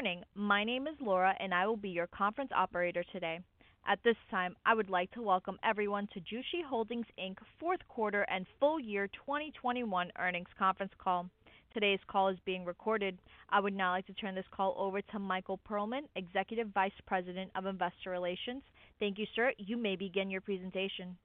Good morning. My name is Laura, and I will be your conference operator today. At this time, I would like to welcome everyone to Jushi Holdings Inc.'s fourth- quarter and full year 2021 earnings conference call. Today's call is being recorded. I would now like to turn this call over to Michael Perlman, Executive Vice President of Investor Relations. Thank you, sir. You may begin your presentation.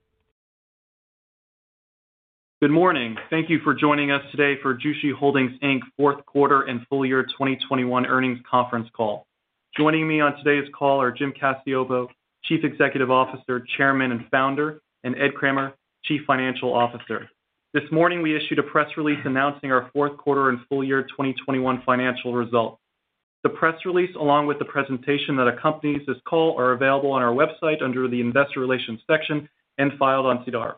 Good morning. Thank you for joining us today for Jushi Holdings Inc.'s fourth quarter and full year 2021 earnings conference call. Joining me on today's call are Jim Cacioppo, Chief Executive Officer, Chairman, and Founder, and Ed Kremer, Chief Financial Officer. This morning, we issued a press release announcing our fourth quarter and full year 2021 financial results. The press release, along with the presentation that accompanies this call, are available on our website under the Investor Relations section and filed on SEDAR.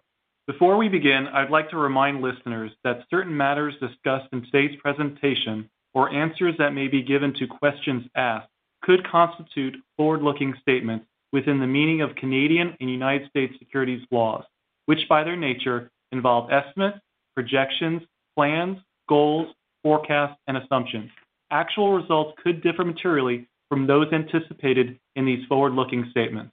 Before we begin, I'd like to remind listeners that certain matters discussed in today's presentation or answers that may be given to questions asked could constitute forward-looking statements within the meaning of Canadian and United States securities laws, which by their nature involve estimates, projections, plans, goals, forecasts, and assumptions. Actual results could differ materially from those anticipated in these forward-looking statements.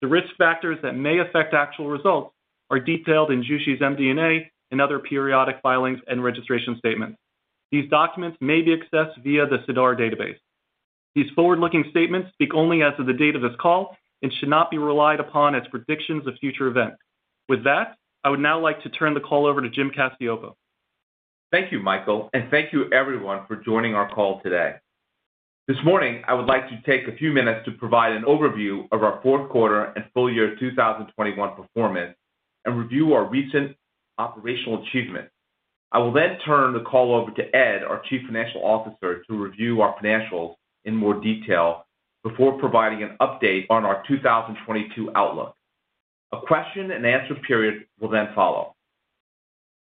The risk factors that may affect actual results are detailed in Jushi's MD&A and other periodic filings and registration statements. These documents may be accessed via the SEDAR database. These forward-looking statements speak only as of the date of this call and should not be relied upon as predictions of future events. With that, I would now like to turn the call over to Jim Cacioppo. Thank you, Michael, and thank you everyone for joining our call today. This morning, I would like to take a few minutes to provide an overview of our fourth- quarter and full year 2021 performance and review our recent operational achievements. I will then turn the call over to Ed, our Chief Financial Officer, to review our financials in more detail before providing an update on our 2022 outlook. A question-and-answer period will then follow.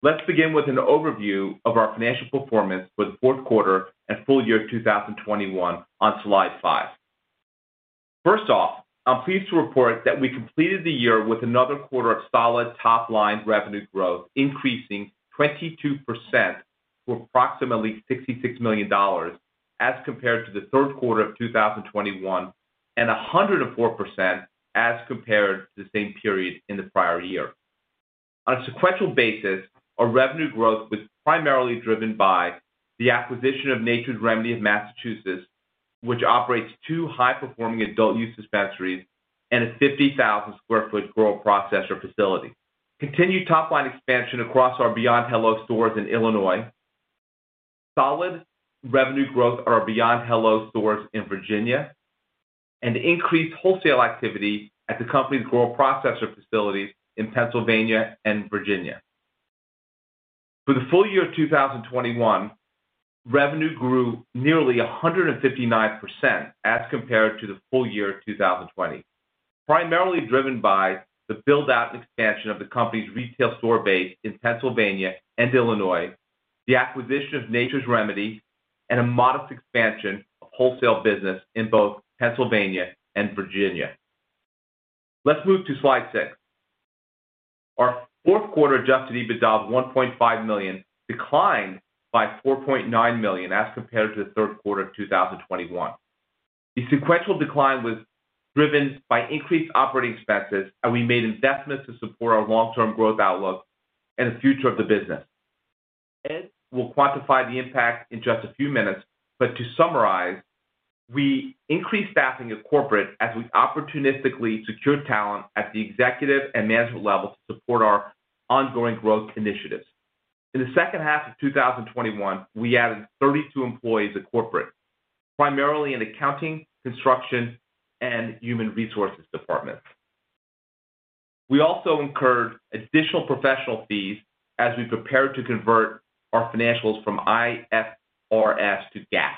Let's begin with an overview of our financial performance for the fourth quarter and full year 2021 on slide 5. First off, I'm pleased to report that we completed the year with another quarter of solid top-line revenue growth, increasing 22% to approximately $66 million as compared to the third quarter of 2021 and 104% as compared to the same period in the prior year. On a sequential basis, our revenue growth was primarily driven by the acquisition of Nature's Remedy of Massachusetts, which operates two high-performing adult use dispensaries and a 50,000-square-foot grow processor facility. Continued top-line expansion across our Beyond Hello stores in Illinois, solid revenue growth at our Beyond Hello stores in Virginia, and increased wholesale activity at the company's grow processor facilities in Pennsylvania and Virginia. For the full year of 2021, revenue grew nearly 159% as compared to the full year of 2020, primarily driven by the build-out and expansion of the company's retail store base in Pennsylvania and Illinois, the acquisition of Nature's Remedy, and a modest expansion of wholesale business in both Pennsylvania and Virginia. Let's move to slide 6. Our fourth quarter adjusted EBITDA of $1.5 million declined by $4.9 million as compared to the third quarter of 2021. The sequential decline was driven by increased operating expenses, and we made investments to support our long-term growth outlook and the future of the business. Ed will quantify the impact in just a few minutes, but to summarize, we increased staffing at corporate as we opportunistically secured talent at the executive and management level to support our ongoing growth initiatives. In the second half of 2021, we added 32 employees at corporate, primarily in accounting, construction, and human resources departments. We also incurred additional professional fees as we prepared to convert our financials from IFRS to GAAP,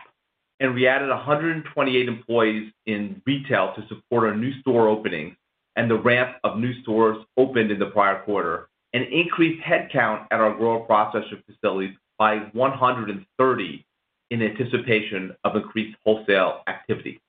and we added 128 employees in retail to support our new store openings and the ramp of new stores opened in the prior quarter and increased headcount at our grow processor facilities by 130 in anticipation of increased wholesale activity.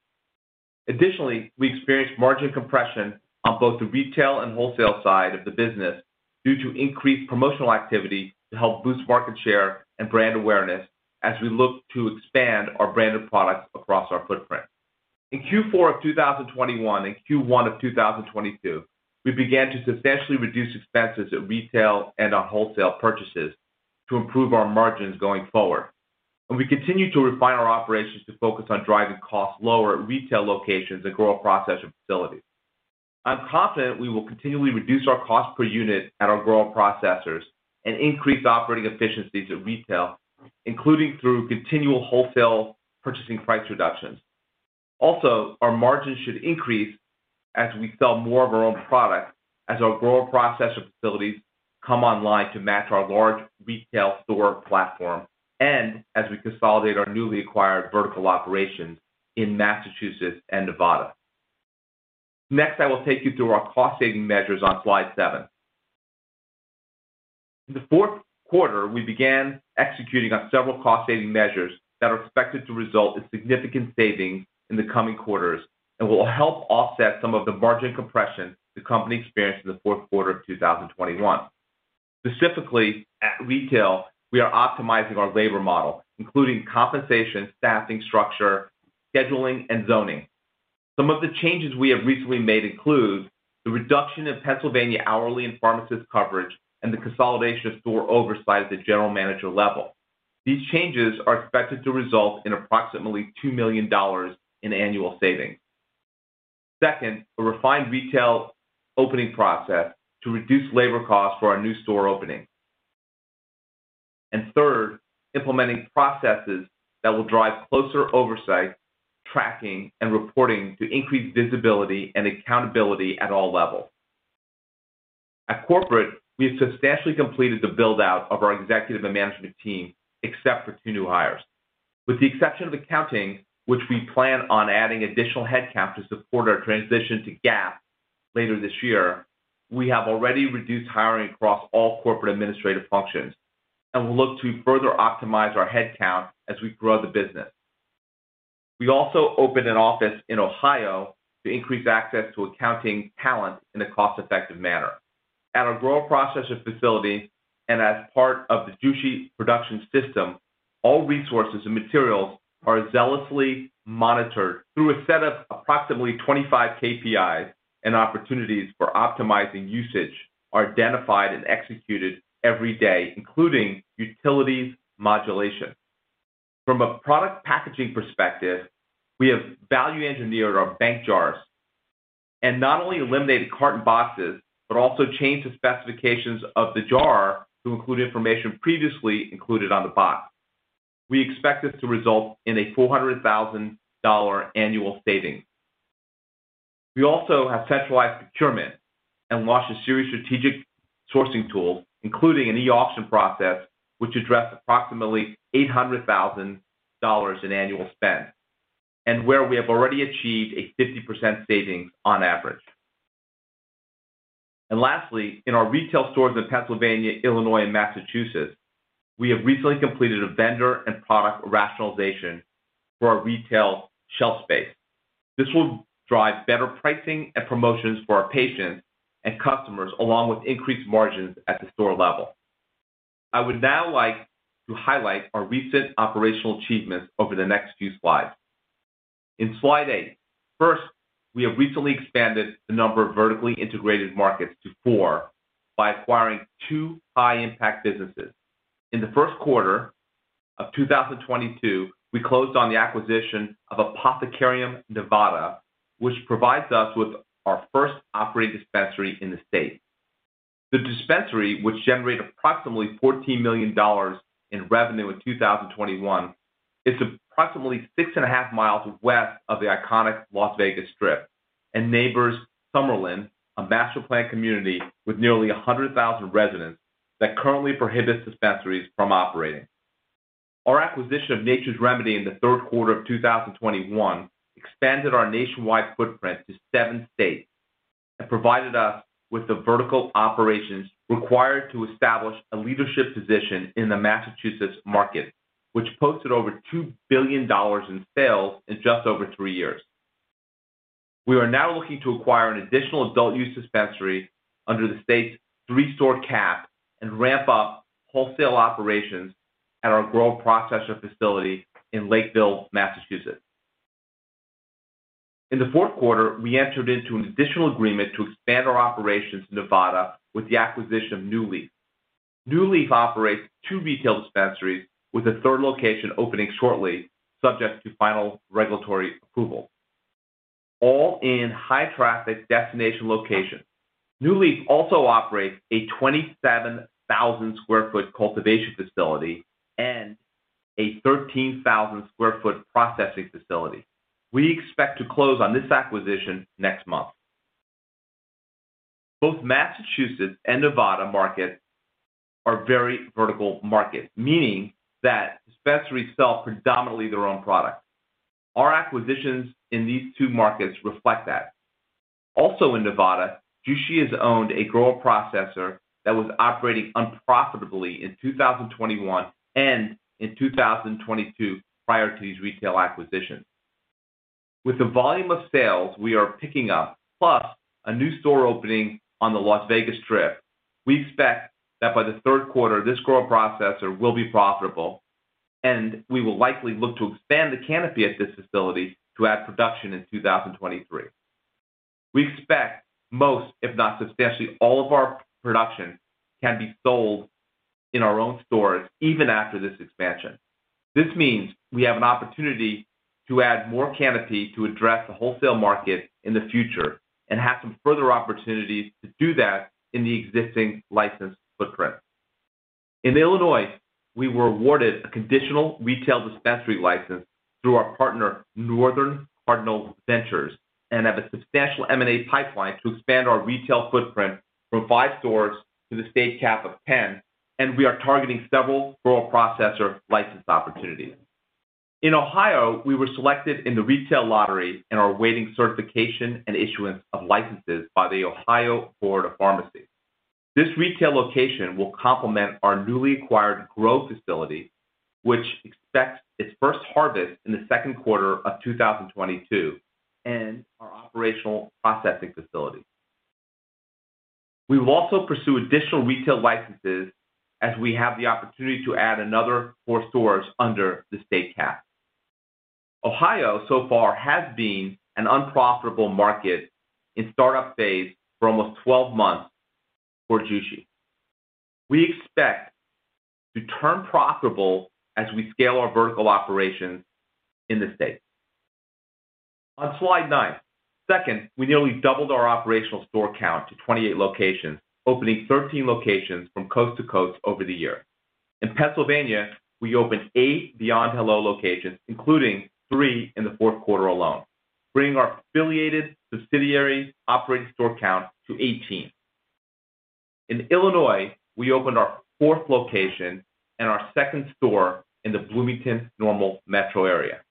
Additionally, we experienced margin compression on both the retail and wholesale side of the business due to increased promotional activity to help boost market share and brand awareness as we look to expand our branded products across our footprint. In Q4 of 2021 and Q1 of 2022, we began to substantially reduce expenses at retail and on wholesale purchases to improve our margins going forward, and we continue to refine our operations to focus on driving costs lower at retail locations and grow processor facilities. I'm confident we will continually reduce our cost per unit at our grow processors and increase operating efficiencies at retail, including through continual wholesale purchasing price reductions. Also, our margins should increase as we sell more of our own products, as our grow processor facilities come online to match our large retail store platform, and as we consolidate our newly acquired vertical operations in Massachusetts and Nevada. Next, I will take you through our cost-saving measures on slide 7. In the fourth quarter, we began executing on several cost-saving measures that are expected to result in significant savings in the coming quarters and will help offset some of the margin compression the company experienced in the fourth quarter of 2021. Specifically, at retail, we are optimizing our labor model, including compensation, staffing structure, scheduling, and zoning. Some of the changes we have recently made include the reduction of Pennsylvania hourly and pharmacist coverage and the consolidation of store oversight at the general manager level. These changes are expected to result in approximately $2 million in annual savings. Second, a refined retail opening process to reduce labor costs for our new store opening. Third, implementing processes that will drive closer oversight, tracking, and reporting to increase visibility and accountability at all levels. At corporate, we have substantially completed the build-out of our executive and management team, except for two new hires. With the exception of accounting, which we plan on adding additional headcount to support our transition to GAAP later this year, we have already reduced hiring across all corporate administrative functions and will look to further optimize our headcount as we grow the business. We also opened an office in Ohio to increase access to accounting talent in a cost-effective manner. At our grow processor facility and as part of the Jushi Production Systems, all resources and materials are zealously monitored through a set of approximately 25 KPIs and opportunities for optimizing usage are identified and executed every day, including utilities modulation. From a product packaging perspective, we have value-engineered our Bank jars and not only eliminated carton boxes, but also changed the specifications of the jar to include information previously included on the box. We expect this to result in a $400,000 annual savings. We also have centralized procurement and launched a series of strategic sourcing tools, including an e-auction process, which addressed approximately $800,000 in annual spend and where we have already achieved a 50% savings on average. Lastly, in our retail stores in Pennsylvania, Illinois, and Massachusetts, we have recently completed a vendor and product rationalization for our retail shelf space. This will drive better pricing and promotions for our patients and customers along with increased margins at the store level. I would now like to highlight our recent operational achievements over the next few slides. In slide 8, first, we have recently expanded the number of vertically integrated markets to four by acquiring two high-impact businesses. In the first quarter of 2022, we closed on the acquisition of Apothecarium Nevada, which provides us with our first operating dispensary in the state. The dispensary, which generated approximately $14 million in revenue in 2021, is approximately 6.5 miles west of the iconic Las Vegas Strip and neighbors Summerlin, a master-planned community with nearly 100,000 residents that currently prohibits dispensaries from operating. Our acquisition of Nature's Remedy in the third quarter of 2021 expanded our nationwide footprint to seven states and provided us with the vertical operations required to establish a leadership position in the Massachusetts market, which posted over $2 billion in sales in just over three years. We are now looking to acquire an additional adult-use dispensary under the state's three-store cap and ramp up wholesale operations at our grow processor facility in Lakeville, Massachusetts. In the fourth quarter, we entered into an additional agreement to expand our operations in Nevada with the acquisition of NuLeaf. NuLeaf operates two retail dispensaries with a third location opening shortly, subject to final regulatory approval, all in high-traffic destination locations. NuLeaf also operates a 27,000 sq ft cultivation facility and a 13,000 sq ft processing facility. We expect to close on this acquisition next month. Both Massachusetts and Nevada markets are very vertical markets, meaning that dispensaries sell predominantly their own product. Our acquisitions in these two markets reflect that. Also in Nevada, Jushi has owned a grow processor that was operating unprofitably in 2021 and in 2022 prior to these retail acquisitions. With the volume of sales we are picking up, plus a new store opening on the Las Vegas Strip, we expect that by the third quarter, this grow processor will be profitable, and we will likely look to expand the canopy at this facility to add production in 2023. We expect most, if not substantially all of our production, can be sold in our own stores even after this expansion. This means we have an opportunity to add more canopy to address the wholesale market in the future and have some further opportunities to do that in the existing licensed footprint. In Illinois, we were awarded a conditional retail dispensary license through our partner, Northern Cardinal Ventures, and have a substantial M&A pipeline to expand our retail footprint from five stores to the state cap of ten, and we are targeting several grow processor license opportunities. In Ohio, we were selected in the retail lottery and are awaiting certification and issuance of licenses by the Ohio Board of Pharmacy. This retail location will complement our newly acquired grow facility, which expects its first harvest in the second quarter of 2022, and our operational processing facility. We will also pursue additional retail licenses as we have the opportunity to add another four stores under the state cap. Ohio so far has been an unprofitable market in startup phase for almost 12 months for Jushi. We expect to turn profitable as we scale our vertical operations in the state. On slide nine. Second, we nearly doubled our operational store count to 28 locations, opening 13 locations from coast to coast over the year. In Pennsylvania, we opened 8 Beyond Hello locations, including three in the fourth quarter alone, bringing our affiliated subsidiary operating store count to 18. In Illinois, we opened our fourth location and our second store in the Bloomington-Normal metro area.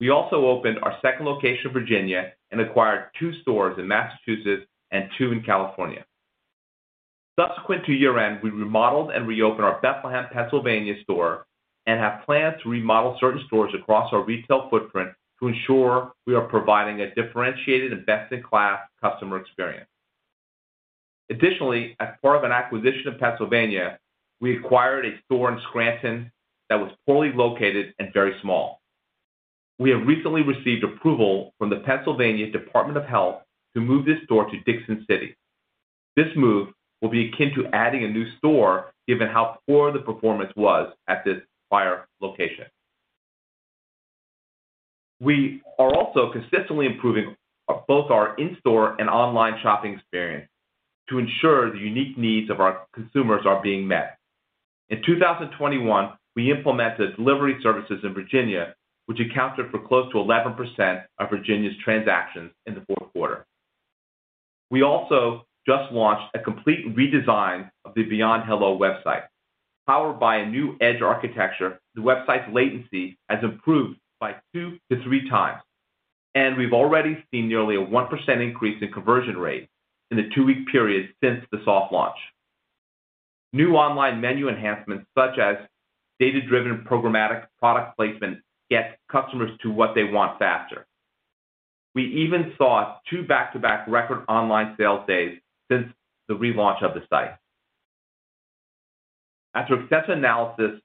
We also opened our second location in Virginia and acquired two stores in Massachusetts and two in California. Subsequent to year-end, we remodeled and reopened our Bethlehem, Pennsylvania store and have plans to remodel certain stores across our retail footprint to ensure we are providing a differentiated and best-in-class customer experience. Additionally, as part of an acquisition in Pennsylvania, we acquired a store in Scranton that was poorly located and very small. We have recently received approval from the Pennsylvania Department of Health to move this store to Dickson City. This move will be akin to adding a new store given how poor the performance was at this prior location. We are also consistently improving both our in-store and online shopping experience to ensure the unique needs of our consumers are being met. In 2021, we implemented delivery services in Virginia, which accounted for close to 11% of Virginia's transactions in the fourth quarter. We also just launched a complete redesign of the Beyond Hello website. Powered by a new Edge architecture, the website's latency has improved by two-three times, and we've already seen nearly a 1% increase in conversion rate in the two-week period since the soft launch. New online menu enhancements, such as data-driven programmatic product placement, get customers to what they want faster. We even saw two back-to-back record online sales days since the relaunch of the site. After extensive analysis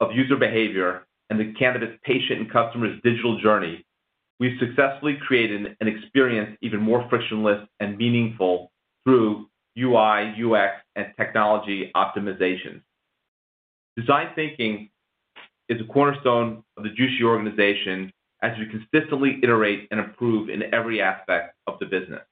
of user behavior and the cannabis patients' and customers' digital journey, we've successfully created an experience even more frictionless and meaningful through UI, UX, and technology optimization. Design thinking is a cornerstone of the Jushi organization as we consistently iterate and improve in every aspect of the business.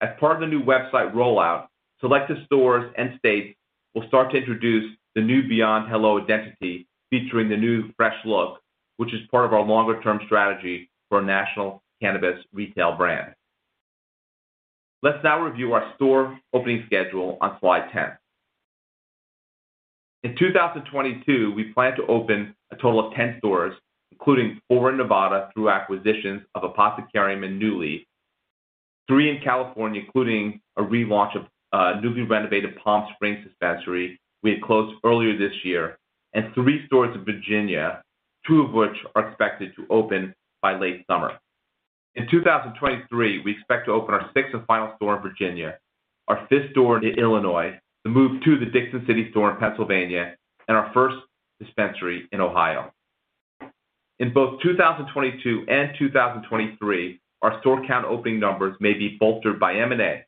As part of the new website rollout, selected stores and states will start to introduce the new Beyond Hello identity featuring the new fresh look, which is part of our longer-term strategy for a national cannabis retail brand. Let's now review our store opening schedule on slide 10. In 2022, we plan to open a total of ten stores, including four in Nevada through acquisitions of Apothecarium and NuLeaf, three in California, including a relaunch of a newly renovated Palm Springs dispensary we had closed earlier this year, and three stores in Virginia, two of which are expected to open by late summer. In 2023, we expect to open our sixth and final store in Virginia, our fifth store in Illinois, to move to the Dickson City store in Pennsylvania, and our first dispensary in Ohio. In both 2022 and 2023, our store count opening numbers may be bolstered by M&A.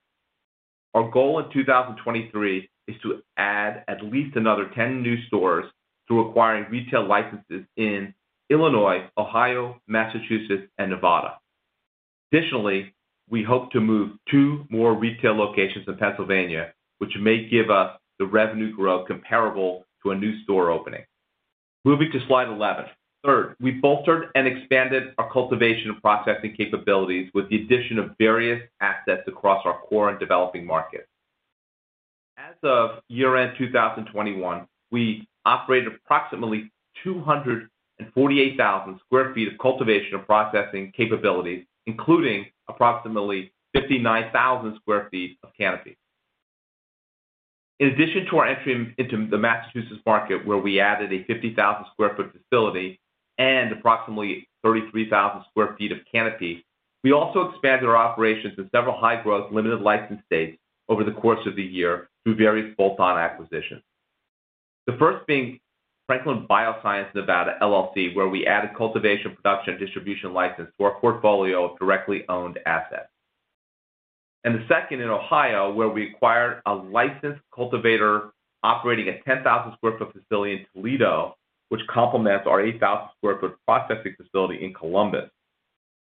Our goal in 2023 is to add at least another 10 new stores through acquiring retail licenses in Illinois, Ohio, Massachusetts, and Nevada. Additionally, we hope to move two more retail locations in Pennsylvania, which may give us the revenue growth comparable to a new store opening. Moving to slide 11. Third, we bolstered and expanded our cultivation and processing capabilities with the addition of various assets across our core and developing markets. As of year-end 2021, we operate approximately 248,000 sq ft of cultivation and processing capabilities, including approximately 59,000 sq ft of canopy. In addition to our entry into the Massachusetts market, where we added a 50,000-sq-ft facility and approximately 33,000 sq ft of canopy, we also expanded our operations in several high-growth, limited license states over the course of the year through various bolt-on acquisitions. The first being Franklin BioScience NV, LLC, where we added cultivation, production, and distribution license to our portfolio of directly owned assets. The second in Ohio, where we acquired a licensed cultivator operating a 10,000-sq ft facility in Toledo, which complements our 8,000-sq ft processing facility in Columbus.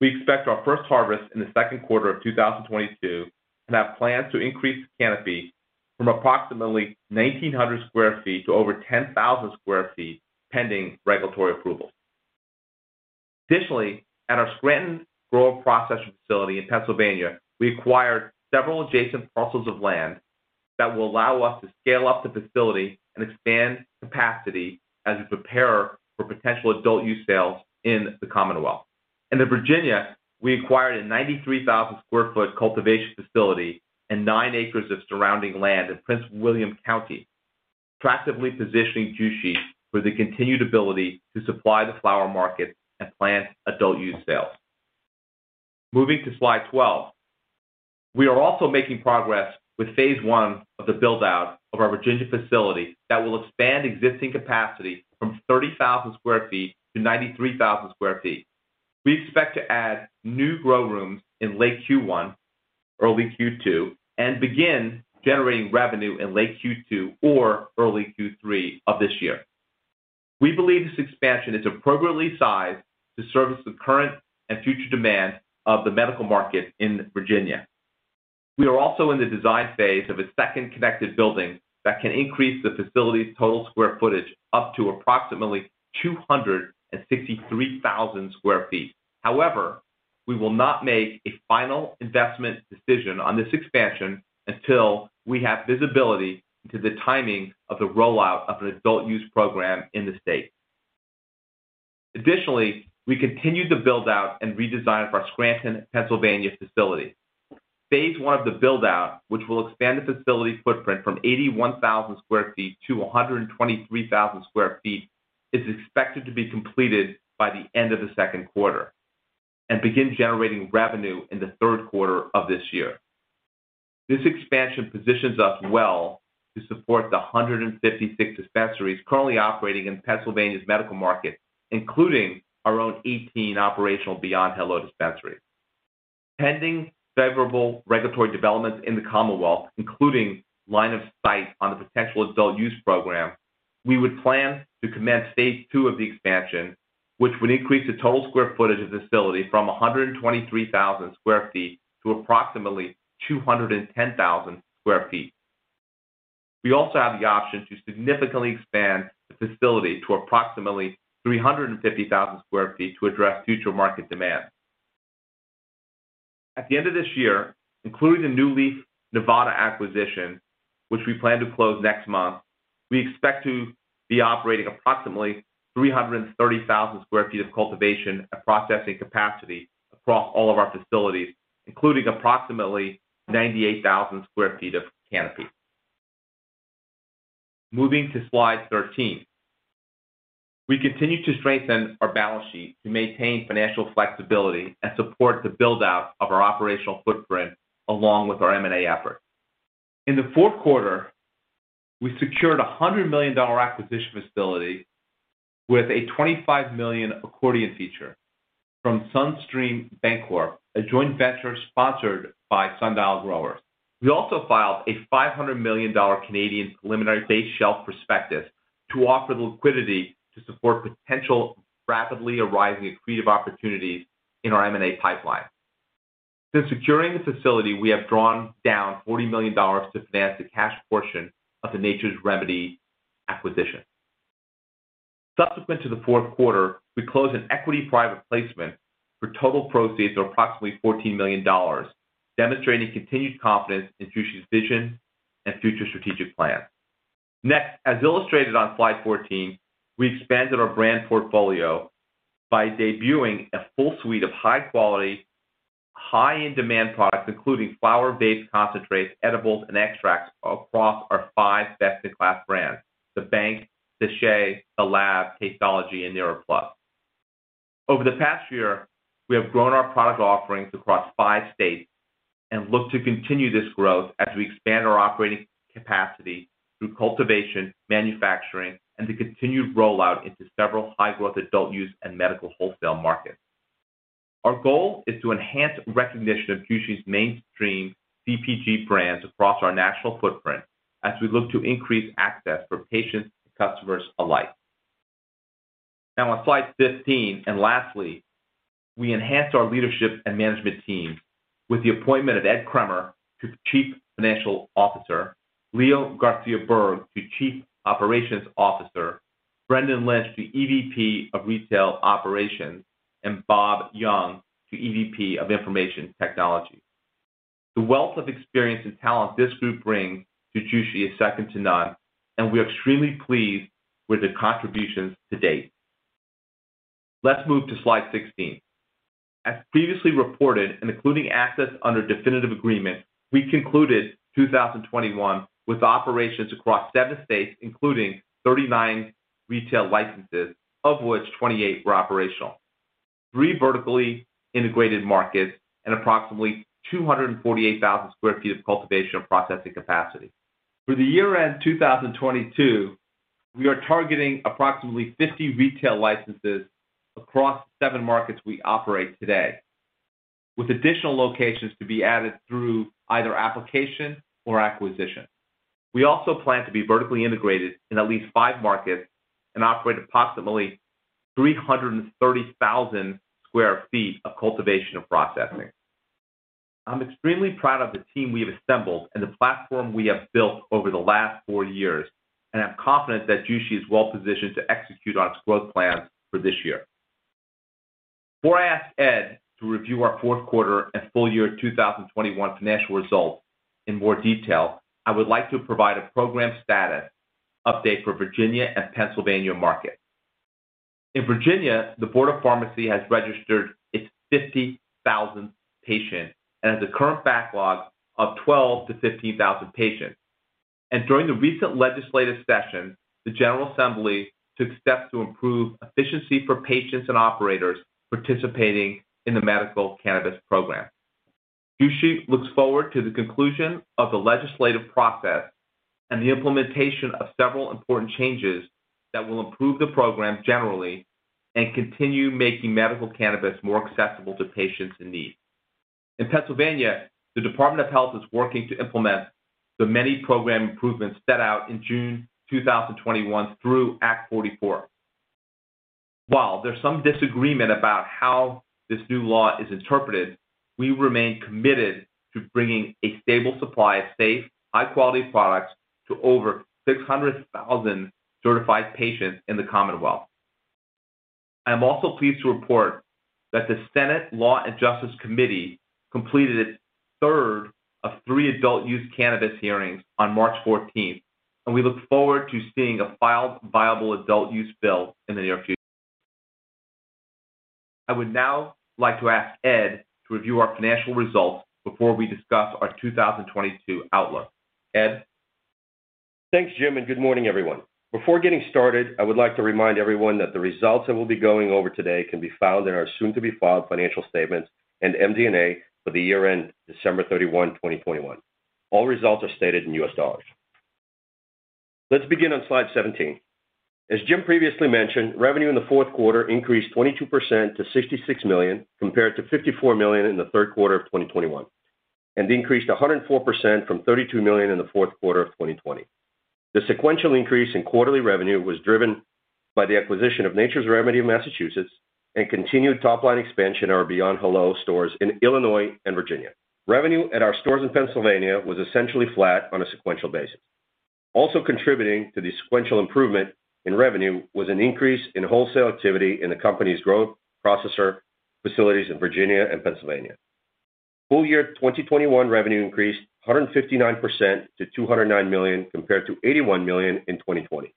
We expect our first harvest in the second quarter of 2022 and have plans to increase the canopy from approximately 1,900 sq ft to over 10,000 sq ft, pending regulatory approval. Additionally, at our Scranton grow and processing facility in Pennsylvania, we acquired several adjacent parcels of land that will allow us to scale up the facility and expand capacity as we prepare for potential adult-use sales in the Commonwealth. In Virginia, we acquired a 93,000-sq ft cultivation facility and nine acres of surrounding land in Prince William County, proactively positioning Jushi for the continued ability to supply the flower market and plan adult-use sales. Moving to slide 12. We are also making progress with phase one of the build-out of our Virginia facility that will expand existing capacity from 30,000 sq ft to 93,000 sq ft. We expect to add new grow rooms in late Q1, early Q2, and begin generating revenue in late Q2 or early Q3 of this year. We believe this expansion is appropriately sized to service the current and future demand of the medical market in Virginia. We are also in the design phase of a second connected building that can increase the facility's total square footage up to approximately 263,000 sq ft. However, we will not make a final investment decision on this expansion until we have visibility into the timing of the rollout of an adult-use program in the state. Additionally, we continue to build out and redesign our Scranton, Pennsylvania, facility. Phase one of the build-out, which will expand the facility's footprint from 81,000 sq ft to 123,000 sq ft, is expected to be completed by the end of the second quarter and begin generating revenue in the third quarter of this year. This expansion positions us well to support the 156 dispensaries currently operating in Pennsylvania's medical market, including our own 18 operational Beyond Hello dispensaries. Pending favorable regulatory developments in the Commonwealth, including line of sight on the potential adult use program, we would plan to commence phase two of the expansion, which would increase the total square footage of the facility from 123,000 sq ft to approximately 210,000 sq ft. We also have the option to significantly expand the facility to approximately 350,000 sq ft to address future market demand. At the end of this year, including the NuLeaf Nevada acquisition, which we plan to close next month, we expect to be operating approximately 330,000 sq ft of cultivation and processing capacity across all of our facilities, including approximately 98,000 sq ft of canopy. Moving to slide 13. We continue to strengthen our balance sheet to maintain financial flexibility and support the build-out of our operational footprint along with our M&A efforts. In the fourth quarter, we secured a $100 million acquisition facility with a $25 million accordion feature from SunStream Bancorp, a joint venture sponsored by Sundial Growers. We also filed a 500 million Canadian dollars preliminary base shelf prospectus to offer the liquidity to support potential rapidly arising accretive opportunities in our M&A pipeline. Since securing the facility, we have drawn down $40 million to finance the cash portion of the Nature's Remedy acquisition. Subsequent to the fourth quarter, we closed an equity private placement for total proceeds of approximately $14 million, demonstrating continued confidence in Jushi's vision and future strategic plan. Next, as illustrated on slide 14, we expanded our brand portfolio by debuting a full suite of high-quality, high-in-demand products, including flower-based concentrates, edibles, and extracts across our five best-in-class brands, The Bank, Sèche, The Lab, Tasteology, and Nira+. Over the past year, we have grown our product offerings across five states and look to continue this growth as we expand our operating capacity through cultivation, manufacturing, and the continued rollout into several high-growth adult use and medical wholesale markets. Our goal is to enhance recognition of Jushi's mainstream CPG brands across our national footprint as we look to increase access for patients and customers alike. Now on slide 15, and lastly, we enhanced our leadership and management team with the appointment of Ed Kremer to Chief Financial Officer, Leo Garcia-Berg to Chief Operations Officer, Brendon Lynch to EVP of Retail Operations, and Bob Young to EVP of Information Technology. The wealth of experience and talent this group brings to Jushi is second to none, and we are extremely pleased with their contributions to date. Let's move to slide 16. As previously reported and including access under definitive agreement, we concluded 2021 with operations across seven states, including 39 retail licenses, of which 28 were operational, three vertically integrated markets, and approximately 248,000 sq ft of cultivation and processing capacity. For the year-end 2022, we are targeting approximately 50 retail licenses across seven markets we operate today, with additional locations to be added through either application or acquisition. We also plan to be vertically integrated in at least five markets and operate approximately 330,000 sq ft of cultivation and processing. I'm extremely proud of the team we have assembled and the platform we have built over the last four years, and I'm confident that Jushi is well-positioned to execute on its growth plans for this year. Before I ask Ed to review our fourth quarter and full year 2021 financial results in more detail, I would like to provide a program status update for Virginia and Pennsylvania markets. In Virginia, the Board of Pharmacy has registered its 50,000th patient and has a current backlog of 12,000-15,000 patients. During the recent legislative session, the General Assembly took steps to improve efficiency for patients and operators participating in the medical cannabis program. Jushi looks forward to the conclusion of the legislative process and the implementation of several important changes that will improve the program generally and continue making medical cannabis more accessible to patients in need. In Pennsylvania, the Department of Health is working to implement the many program improvements set out in June 2021 through Act 44. While there's some disagreement about how this new law is interpreted, we remain committed to bringing a stable supply of safe, high-quality products to over 600,000 certified patients in the Commonwealth. I am also pleased to report that the Senate Law and Justice Committee completed its third of three adult-use cannabis hearings on March 14, and we look forward to seeing a filed viable adult-use bill in the near future. I would now like to ask Ed to review our financial results before we discuss our 2022 outlook. Ed? Thanks, Jim, and good morning, everyone. Before getting started, I would like to remind everyone that the results that we'll be going over today can be found in our soon-to-be-filed financial statements and MD&A for the year-end December 31, 2021. All results are stated in US dollars. Let's begin on slide 17. As Jim previously mentioned, revenue in the fourth quarter increased 22% to $66 million, compared to $54 million in the third quarter of 2021, and increased 104% from $32 million in the fourth quarter of 2020. The sequential increase in quarterly revenue was driven by the acquisition of Nature's Remedy in Massachusetts and continued top-line expansion of our Beyond Hello stores in Illinois and Virginia. Revenue at our stores in Pennsylvania was essentially flat on a sequential basis. Also contributing to the sequential improvement in revenue was an increase in wholesale activity in the company's growth processor facilities in Virginia and Pennsylvania. Full year 2021 revenue increased 159% to $209 million, compared to $81 million in 2020.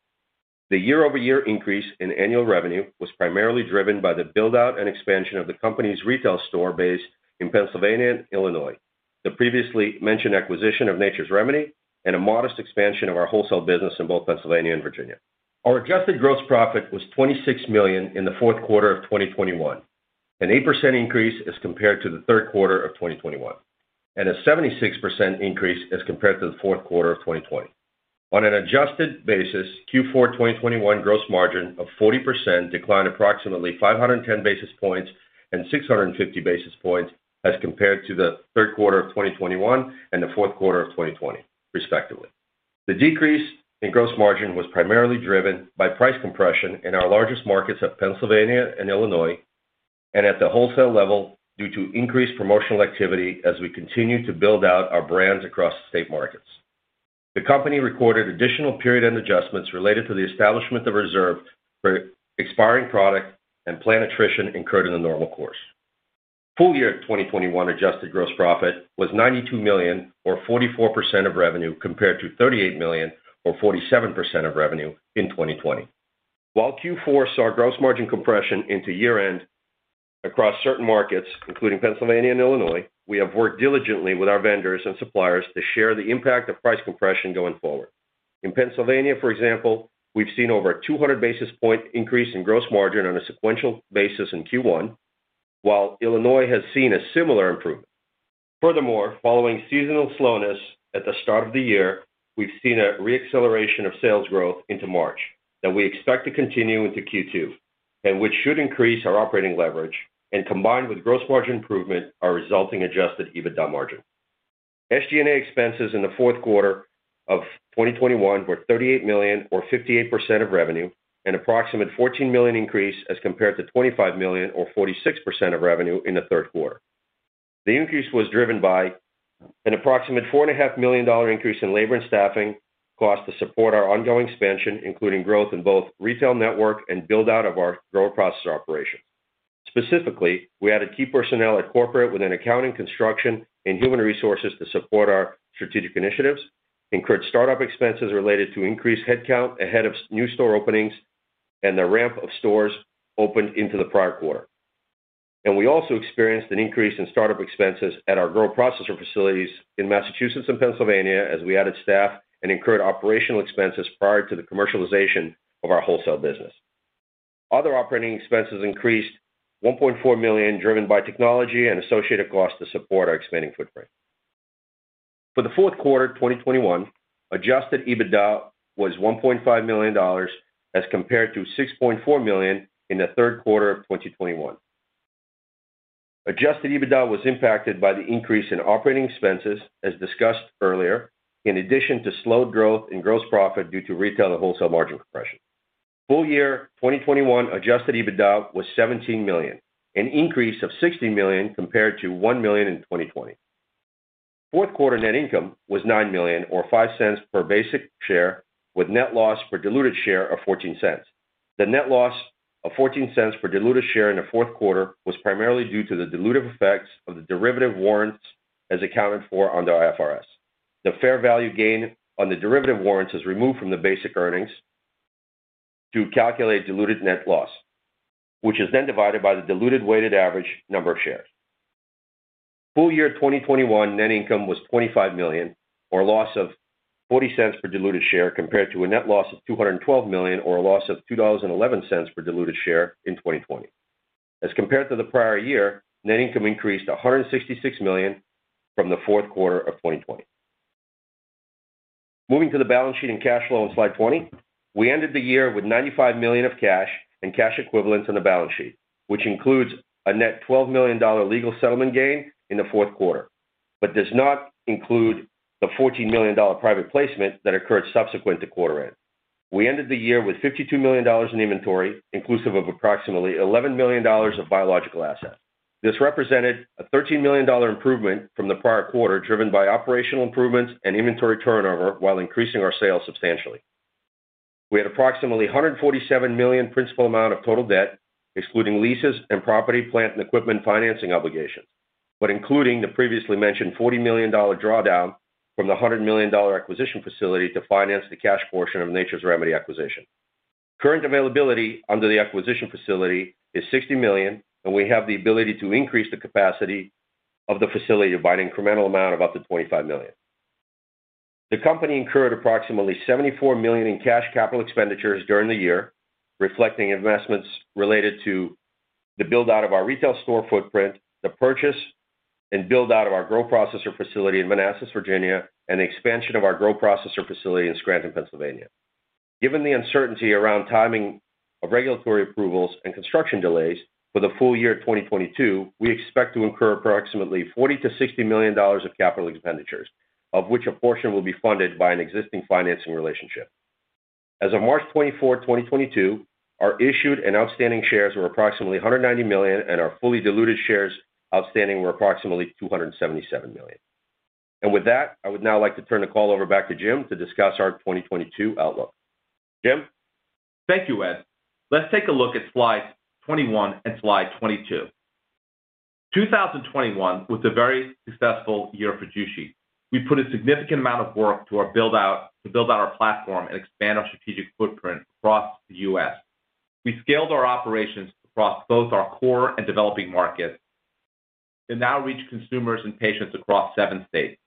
The year-over-year increase in annual revenue was primarily driven by the build-out and expansion of the company's retail store base in Pennsylvania and Illinois, the previously mentioned acquisition of Nature's Remedy, and a modest expansion of our wholesale business in both Pennsylvania and Virginia. Our adjusted gross profit was $26 million in the fourth quarter of 2021, an 8% increase as compared to the third quarter of 2021, and a 76% increase as compared to the fourth quarter of 2020. On an adjusted basis, Q4 2021 gross margin of 40% declined approximately 510 basis points and 650 basis points as compared to the third quarter of 2021 and the fourth quarter of 2020, respectively. The decrease in gross margin was primarily driven by price compression in our largest markets of Pennsylvania and Illinois, and at the wholesale level due to increased promotional activity as we continue to build out our brands across the state markets. The company recorded additional period-end adjustments related to the establishment of reserve for expiring product and plant attrition incurred in the normal course. Full year 2021 adjusted gross profit was $92 million or 44% of revenue compared to $38 million or 47% of revenue in 2020. While Q4 saw gross margin compression into year-end across certain markets, including Pennsylvania and Illinois, we have worked diligently with our vendors and suppliers to share the impact of price compression going forward. In Pennsylvania, for example, we've seen over a 200 basis point increase in gross margin on a sequential basis in Q1, while Illinois has seen a similar improvement. Furthermore, following seasonal slowness at the start of the year, we've seen a re-acceleration of sales growth into March that we expect to continue into Q2, and which should increase our operating leverage and combined with gross margin improvement, our resulting adjusted EBITDA margin. SG&A expenses in the fourth quarter of 2021 were $38 million or 58% of revenue, an approximate $14 million increase as compared to $25 million or 46% of revenue in the third quarter. The increase was driven by an approximate $4.5 million increase in labor and staffing costs to support our ongoing expansion, including growth in both retail network and build-out of our growth processor operation. Specifically, we added key personnel at corporate within accounting, construction, and human resources to support our strategic initiatives, incurred startup expenses related to increased headcount ahead of new store openings, and the ramp of stores opened in the prior quarter. We also experienced an increase in startup expenses at our growth processor facilities in Massachusetts and Pennsylvania as we added staff and incurred operational expenses prior to the commercialization of our wholesale business. Other operating expenses increased $1.4 million, driven by technology and associated costs to support our expanding footprint. For the fourth quarter 2021, adjusted EBITDA was $1.5 million as compared to $6.4 million in the third quarter of 2021. Adjusted EBITDA was impacted by the increase in operating expenses, as discussed earlier, in addition to slowed growth in gross profit due to retail and wholesale margin compression. Full-year 2021 adjusted EBITDA was $17 million, an increase of $60 million compared to $1 million in 2020. Fourth quarter net income was $9 million or $0.05 per basic share with net loss per diluted share of $0.14. The net loss of $0.14 per diluted share in the fourth quarter was primarily due to the dilutive effects of the derivative warrants as accounted for under IFRS. The fair value gain on the derivative warrants is removed from the basic earnings to calculate diluted net loss, which is then divided by the diluted weighted average number of shares. Full year 2021 net income was $25 million or a loss of $0.40 per diluted share compared to a net loss of $212 million or a loss of $2.11 per diluted share in 2020. As compared to the prior year, net income increased $166 million from the fourth quarter of 2020. Moving to the balance sheet and cash flow on slide 20. We ended the year with $95 million of cash and cash equivalents on the balance sheet, which includes a net $12 million legal settlement gain in the fourth quarter, but does not include the $14 million private placement that occurred subsequent to quarter end. We ended the year with $52 million in inventory, inclusive of approximately $11 million of biological assets. This represented a $13 million improvement from the prior quarter, driven by operational improvements and inventory turnover while increasing our sales substantially. We had approximately $147 million principal amount of total debt, excluding leases and property, plant, and equipment financing obligations, but including the previously mentioned $40 million drawdown from the $100 million acquisition facility to finance the cash portion of Nature's Remedy acquisition. Current availability under the acquisition facility is $60 million, and we have the ability to increase the capacity of the facility by an incremental amount of up to $25 million. The company incurred approximately $74 million in cash capital expenditures during the year, reflecting investments related to the build-out of our retail store footprint, the purchase and build-out of our grow processor facility in Manassas, Virginia, and the expansion of our grow processor facility in Scranton, Pennsylvania. Given the uncertainty around timing of regulatory approvals and construction delays for the full year of 2022, we expect to incur approximately $40 million-$60 million of capital expenditures, of which a portion will be funded by an existing financing relationship. As of March 24, 2022, our issued and outstanding shares were approximately 190 million, and our fully diluted shares outstanding were approximately 277 million. With that, I would now like to turn the call over back to Jim to discuss our 2022 outlook. Jim? Thank you, Ed. Let's take a look at slides 21 and slide 22. 2021 was a very successful year for Jushi. We put a significant amount of work into our build-out, to build out our platform and expand our strategic footprint across the U.S. We scaled our operations across both our core and developing markets to now reach consumers and patients across seven states.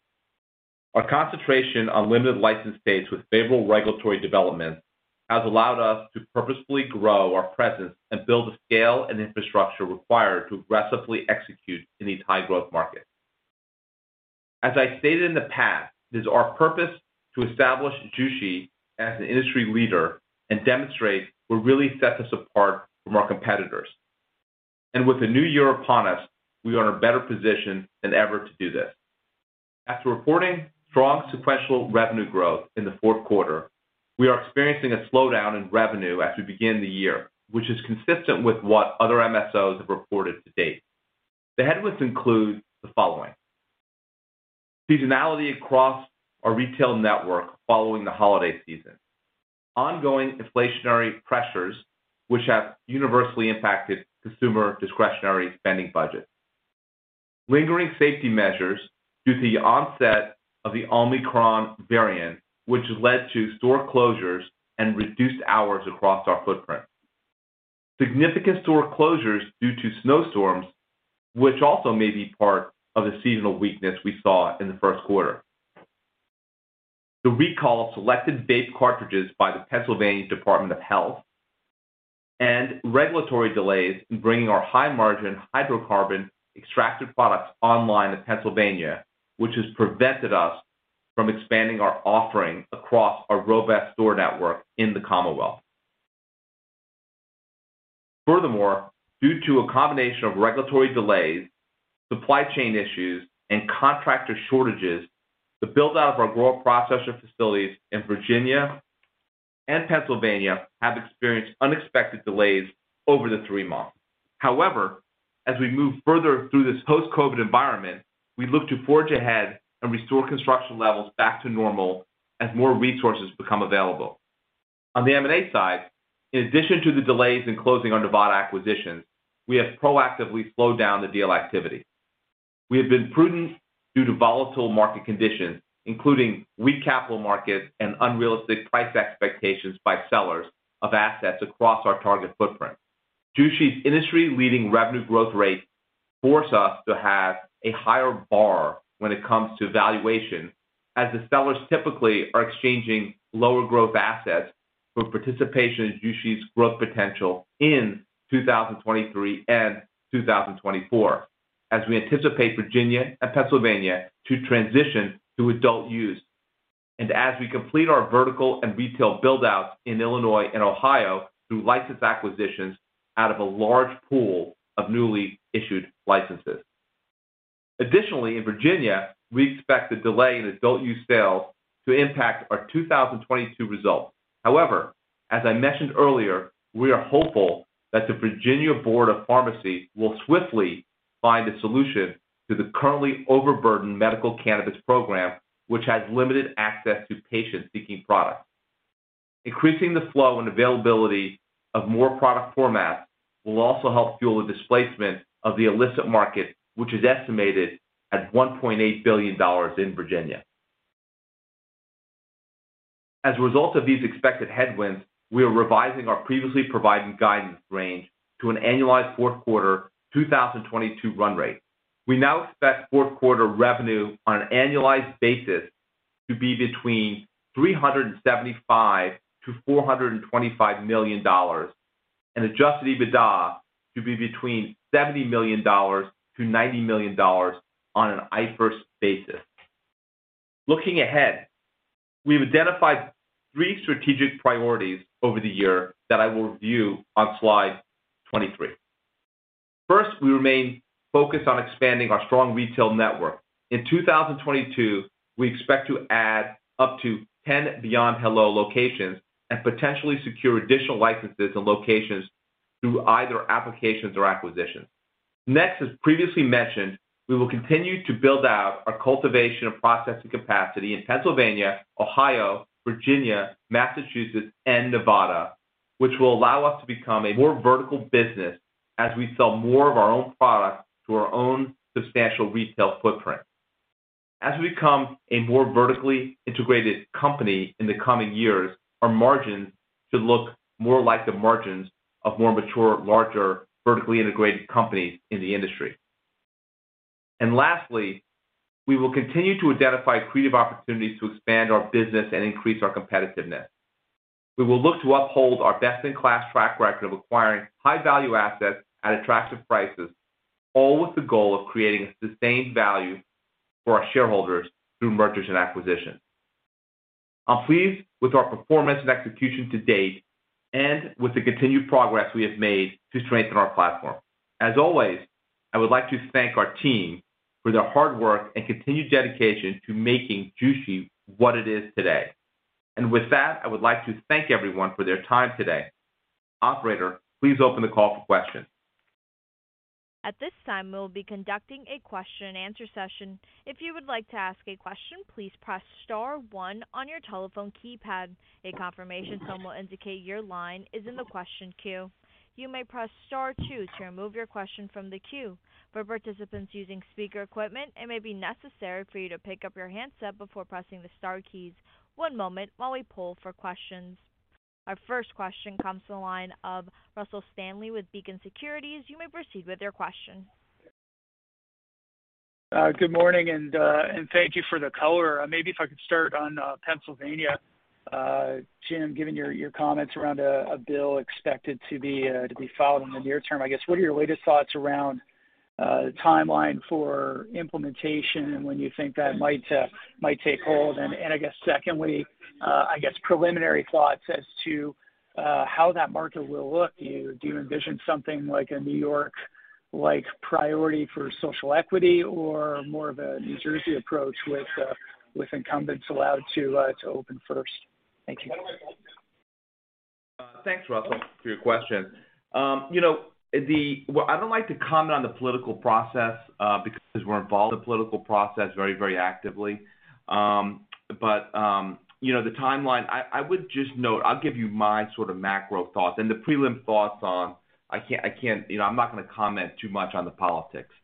Our concentration on limited licensed states with favorable regulatory developments has allowed us to purposefully grow our presence and build the scale and infrastructure required to aggressively execute in these high-growth markets. As I stated in the past, it is our purpose to establish Jushi as an industry leader and demonstrate what really sets us apart from our competitors. With the new year upon us, we are in a better position than ever to do this. After reporting strong sequential revenue growth in the fourth quarter, we are experiencing a slowdown in revenue as we begin the year, which is consistent with what other MSOs have reported to date. The headwinds include the following. Seasonality across our retail network following the holiday season, ongoing inflationary pressures which have universally impacted consumer discretionary spending budgets, lingering safety measures due to the onset of the Omicron variant, which has led to store closures and reduced hours across our footprint, significant store closures due to snowstorms, which also may be part of the seasonal weakness we saw in the first quarter, the recall of selected vape cartridges by the Pennsylvania Department of Health, and regulatory delays in bringing our high-margin hydrocarbon extracted products online in Pennsylvania, which has prevented us from expanding our offering across our robust store network in the Commonwealth. Furthermore, due to a combination of regulatory delays, supply chain issues, and contractor shortages, the build-out of our grow processor facilities in Virginia and Pennsylvania have experienced unexpected delays over the three months. However, as we move further through this post-COVID environment, we look to forge ahead and restore construction levels back to normal as more resources become available. On the M&A side, in addition to the delays in closing on Nevada acquisitions, we have proactively slowed down the deal activity. We have been prudent due to volatile market conditions, including weak capital markets and unrealistic price expectations by sellers of assets across our target footprint. Jushi's industry-leading revenue growth rates force us to have a higher bar when it comes to valuation, as the sellers typically are exchanging lower growth assets for participation in Jushi's growth potential in 2023 and 2024, as we anticipate Virginia and Pennsylvania to transition to adult use, and as we complete our vertical and retail build-outs in Illinois and Ohio through license acquisitions out of a large pool of newly issued licenses. Additionally, in Virginia, we expect the delay in adult use sales to impact our 2022 results. However, as I mentioned earlier, we are hopeful that the Virginia Board of Pharmacy will swiftly find a solution to the currently overburdened medical cannabis program, which has limited access to patients seeking products. Increasing the flow and availability of more product formats will also help fuel the displacement of the illicit market, which is estimated at $1.8 billion in Virginia. As a result of these expected headwinds, we are revising our previously provided guidance range to an annualized fourth quarter 2022 run rate. We now expect fourth quarter revenue on an annualized basis to be between $375 million-$425 million and adjusted EBITDA to be between $70 million-$90 million on an IFRS basis. Looking ahead, we've identified three strategic priorities over the year that I will review on slide 23. First, we remain focused on expanding our strong retail network. In 2022, we expect to add up to ten Beyond Hello locations and potentially secure additional licenses and locations through either applications or acquisitions. Next, as previously mentioned, we will continue to build out our cultivation and processing capacity in Pennsylvania, Ohio, Virginia, Massachusetts, and Nevada, which will allow us to become a more vertical business as we sell more of our own product to our own substantial retail footprint. As we become a more vertically integrated company in the coming years, our margins should look more like the margins of more mature, larger, vertically integrated companies in the industry. Lastly, we will continue to identify creative opportunities to expand our business and increase our competitiveness. We will look to uphold our best-in-class track record of acquiring high-value assets at attractive prices, all with the goal of creating sustained value for our shareholders through mergers and acquisitions. I'm pleased with our performance and execution to date and with the continued progress we have made to strengthen our platform. As always, I would like to thank our team for their hard work and continued dedication to making Jushi what it is today. With that, I would like to thank everyone for their time today. Operator, please open the call for questions. At this time, we will be conducting a question-and-answer session. If you would like to ask a question, please press star 1 on your telephone keypad. A confirmation tone will indicate your line is in the question queue. You may press star 2 to remove your question from the queue. For participants using speaker equipment, it may be necessary for you to pick up your handset before pressing the star keys. One moment while we pull for questions. Our first question comes to the line of Russell Stanley with Beacon Securities. You may proceed with your question. Good morning and thank you for the color. Maybe if I could start on Pennsylvania, Jim, given your comments around a bill expected to be filed in the near term. I guess what are your latest thoughts around the timeline for implementation and when you think that might take hold? And I guess secondly, I guess preliminary thoughts as to how that market will look. Do you envision something like a New York-like priority for social equity or more of a New Jersey approach with incumbents allowed to open first? Thank you. Thanks, Russell, for your question. You know, I don't like to comment on the political process because we're involved in the political process very actively. You know, the timeline, I would just note. I'll give you my sort of macro thoughts and the prelim thoughts on. I can't, you know, I'm not gonna comment too much on the politics.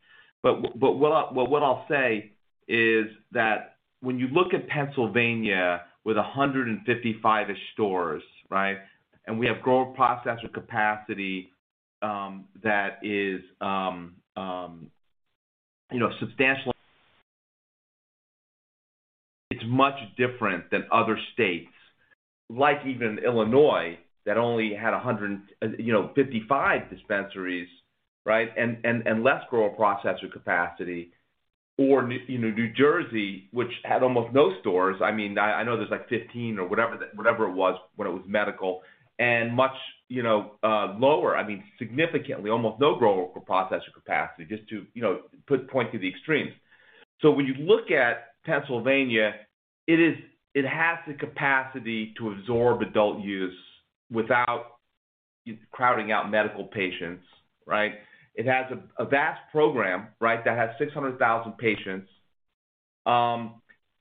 What I'll say is that when you look at Pennsylvania with 155-ish stores, right? We have grow processor capacity that is, you know, substantial. It's much different than other states, like even Illinois that only had 155 dispensaries, right? Less grow processor capacity or New Jersey, which had almost no stores. I mean, I know there's like 15 or whatever it was when it was medical and much, you know, lower, I mean, significantly, almost no grow processor capacity just to, you know, put point to the extremes. So when you look at Pennsylvania, it has the capacity to absorb adult use without crowding out medical patients, right? It has a vast program, right? That has 600,000 patients.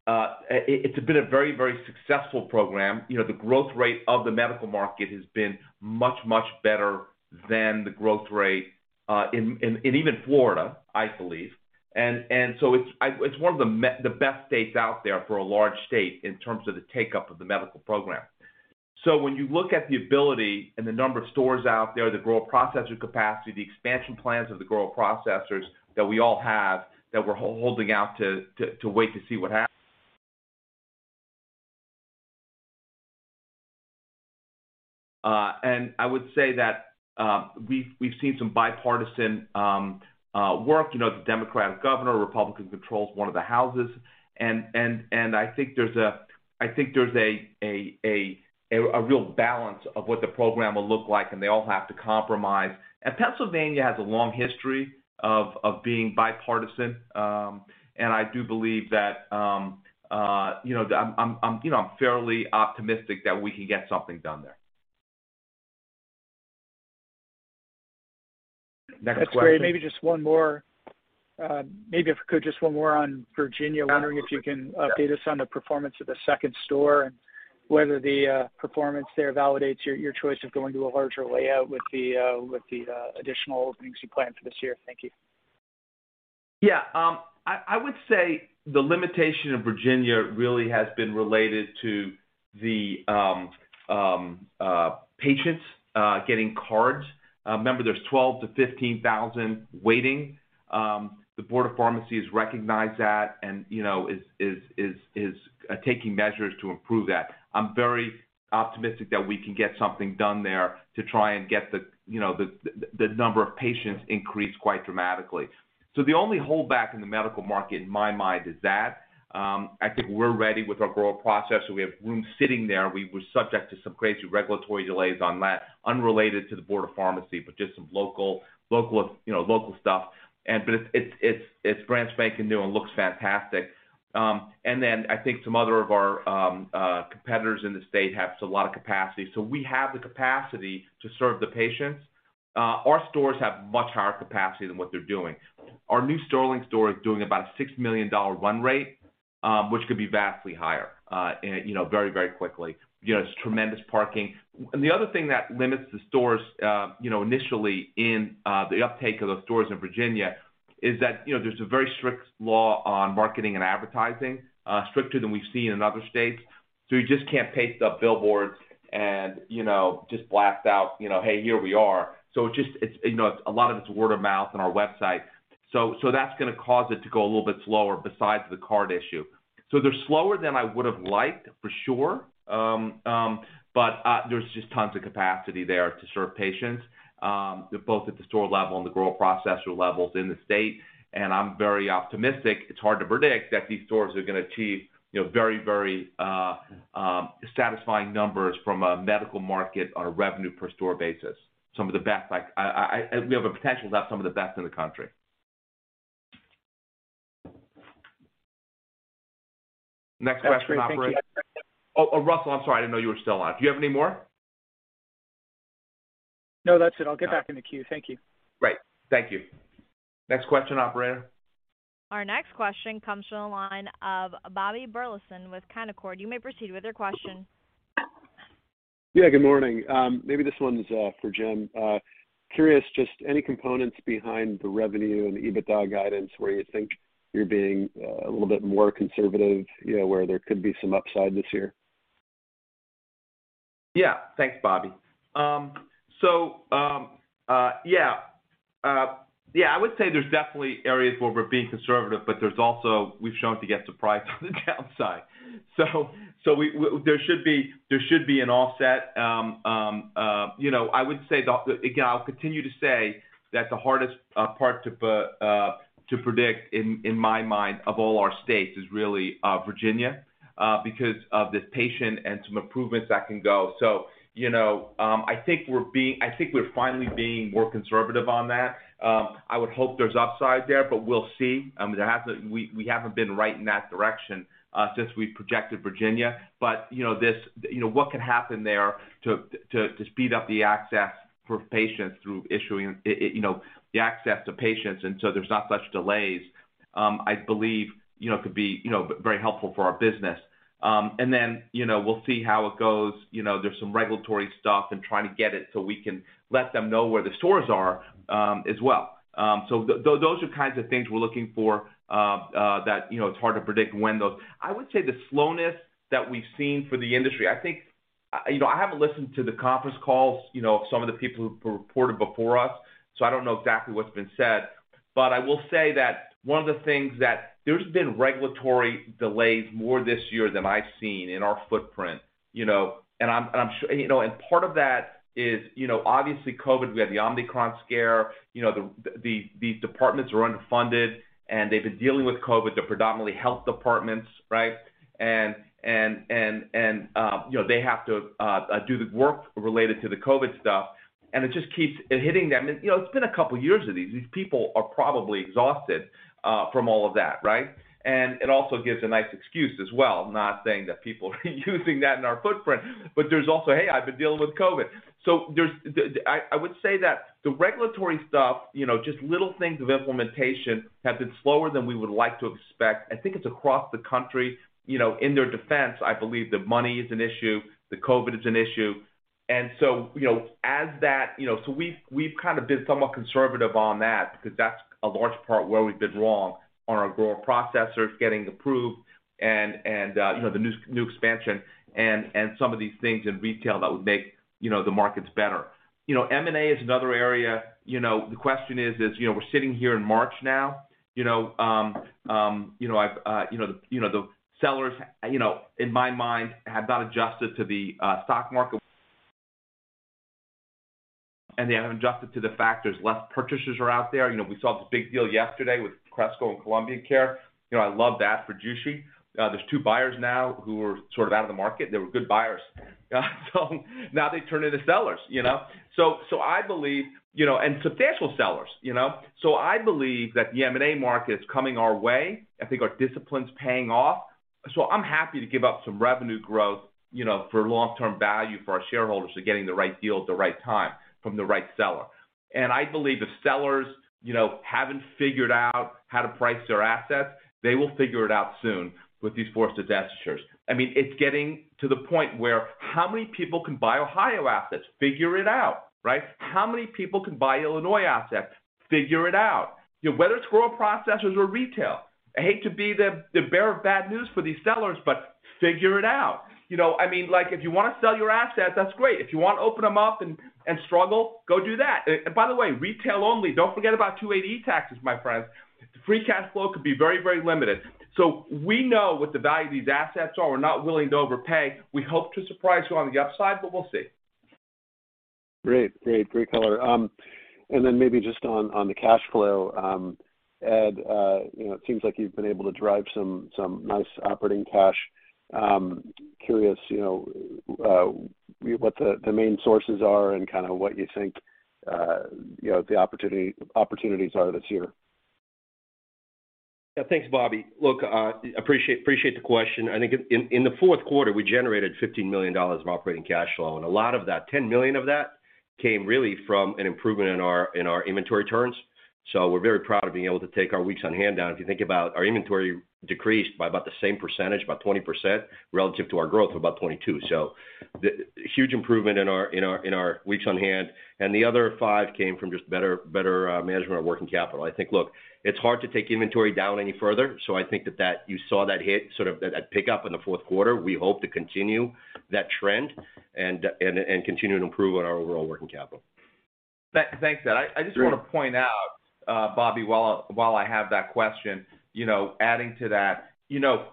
It's been a very, very successful program. You know, the growth rate of the medical market has been much, much better than the growth rate in even Florida, I believe. So it's one of the best states out there for a large state in terms of the take-up of the medical program. When you look at the ability and the number of stores out there, the grow processor capacity, the expansion plans of the grow processors that we all have, that we're holding out to wait to see what happens. I would say that we've seen some bipartisan work, you know, the Democratic governor, Republicans control one of the houses and I think there's a real balance of what the program will look like, and they all have to compromise. Pennsylvania has a long history of being bipartisan. I do believe that, you know, I'm fairly optimistic that we can get something done there. That's great. Maybe just one more on Virginia. Wondering if you can update us on the performance of the second store and whether the performance there validates your choice of going to a larger layout with the additional openings you plan for this year. Thank you. Yeah. I would say the limitation in Virginia really has been related to the patients getting cards. Remember there's 12-15 thousand waiting. The Board of Pharmacy has recognized that and, you know, is taking measures to improve that. I'm very optimistic that we can get something done there to try and get the, you know, the number of patients increased quite dramatically. The only holdback in the medical market in my mind is that, I think we're ready with our grow process, so we have rooms sitting there. We were subject to some crazy regulatory delays on that, unrelated to the Board of Pharmacy, but just some local, you know, local stuff. It's brand spanking new and looks fantastic. I think some other of our competitors in the state have a lot of capacity. We have the capacity to serve the patients. Our stores have much higher capacity than what they're doing. Our new Sterling store is doing about a $6 million run rate, which could be vastly higher, and you know, very, very quickly. You know, it's tremendous parking. The other thing that limits the stores initially in the uptake of those stores in Virginia is that you know, there's a very strict law on marketing and advertising, stricter than we've seen in other states. You just can't paste up billboards and you know, just blast out you know, "Hey, here we are." It's a lot of it's word of mouth and our website. That's gonna cause it to go a little bit slower besides the card issue. They're slower than I would've liked for sure. There's just tons of capacity there to serve patients, both at the store level and the grow processor levels in the state. I'm very optimistic. It's hard to predict that these stores are gonna achieve, you know, very satisfying numbers from a medical market on a revenue per store basis. Some of the best, like, we have a potential to have some of the best in the country. Next question, operator. That's great. Thank you. Oh, Russell, I'm sorry. I didn't know you were still on. Do you have any more? No, that's it. I'll get back in the queue. Thank you. Right. Thank you. Next question, operator. Our next question comes from the line of Bobby Burleson with Canaccord. You may proceed with your question. Yeah, good morning. Maybe this one's for Jim. I'm curious, just any components behind the revenue and EBITDA guidance where you think you're being a little bit more conservative, you know, where there could be some upside this year? Yeah. Thanks, Bobby. I would say there's definitely areas where we're being conservative, but there's also we've shown to get surprised on the downside. There should be an offset. You know, I would say again, I'll continue to say that the hardest part to predict in my mind of all our states is really Virginia because of the patient and some improvements that can go. You know, I think we're finally being more conservative on that. I would hope there's upside there, but we'll see. I mean, we haven't been right in that direction since we've projected Virginia. You know, this, you know, what could happen there to speed up the access for patients through issuing, you know, the access to patients, and so there's not much delays. I believe, you know, could be, you know, very helpful for our business. We'll see how it goes. You know, there's some regulatory stuff and trying to get it so we can let them know where the stores are, as well. Those are kinds of things we're looking for, that, you know, it's hard to predict when those. I would say the slowness that we've seen for the industry. I think, you know, I haven't listened to the conference calls, you know, of some of the people who've reported before us, so I don't know exactly what's been said. I will say that one of the things that there's been regulatory delays more this year than I've seen in our footprint, you know, and part of that is, you know, obviously COVID. We had the Omicron scare. You know, these departments were underfunded, and they've been dealing with COVID. They're predominantly health departments, right? You know, they have to do the work related to the COVID stuff, and it just keeps hitting them. You know, it's been a couple years of these. These people are probably exhausted from all of that, right? It also gives a nice excuse as well, not saying that people are using that in our footprint, but there's also, "Hey, I've been dealing with COVID." There's I would say that the regulatory stuff, you know, just little things of implementation have been slower than we would like to expect. I think it's across the country. You know, in their defense, I believe the money is an issue, the COVID is an issue. You know, as that, you know, we've kinda been somewhat conservative on that because that's a large part where we've been wrong on our grow processors getting approved and, you know, the new expansion and some of these things in retail that would make, you know, the markets better. You know, M&A is another area. You know, the question is, you know, we're sitting here in March now, you know, the sellers, you know, in my mind have not adjusted to the stock market. They haven't adjusted to the fact there's less purchasers are out there. You know, we saw this big deal yesterday with Cresco and Columbia Care. You know, I love that for Jushi. There's two buyers now who are sort of out of the market. They were good buyers. Now they turn into sellers, you know? I believe, you know, substantial sellers, you know. I believe that the M&A market is coming our way. I think our discipline's paying off. I'm happy to give up some revenue growth, you know, for long-term value for our shareholders to getting the right deal at the right time from the right seller. I believe if sellers, you know, haven't figured out how to price their assets, they will figure it out soon with these forced divestitures. I mean, it's getting to the point where how many people can buy Ohio assets? Figure it out, right? How many people can buy Illinois assets? Figure it out. You know, whether it's rural processors or retail, I hate to be the bearer of bad news for these sellers, but figure it out. You know, I mean, like, if you wanna sell your assets, that's great. If you want to open them up and struggle, go do that. By the way, retail only, don't forget about 280E taxes, my friends. The free cash flow could be very, very limited. We know what the value of these assets are. We're not willing to overpay. We hope to surprise you on the upside, but we'll see. Great color. Then maybe just on the cash flow, Ed, you know, it seems like you've been able to drive some nice operating cash. Curious, you know, what the main sources are and kinda what you think, you know, the opportunities are this year. Yeah, thanks, Bobby. Look, appreciate the question. I think in the fourth quarter, we generated $15 million of operating cash flow, and a lot of that, $10 million of that, came really from an improvement in our inventory turns. We're very proud of being able to take our weeks on hand down. If you think about our inventory decreased by about the same percentage, about 20% relative to our growth of about 22%. The huge improvement in our weeks on hand. The other $5 million came from just better management of working capital. I think. Look, it's hard to take inventory down any further. I think that you saw that hit, sort of that pick up in the fourth quarter. We hope to continue that trend and continue to improve on our overall working capital. Thanks, Ed. I just wanna point out, Bobby, while I have that question, you know, adding to that. You know,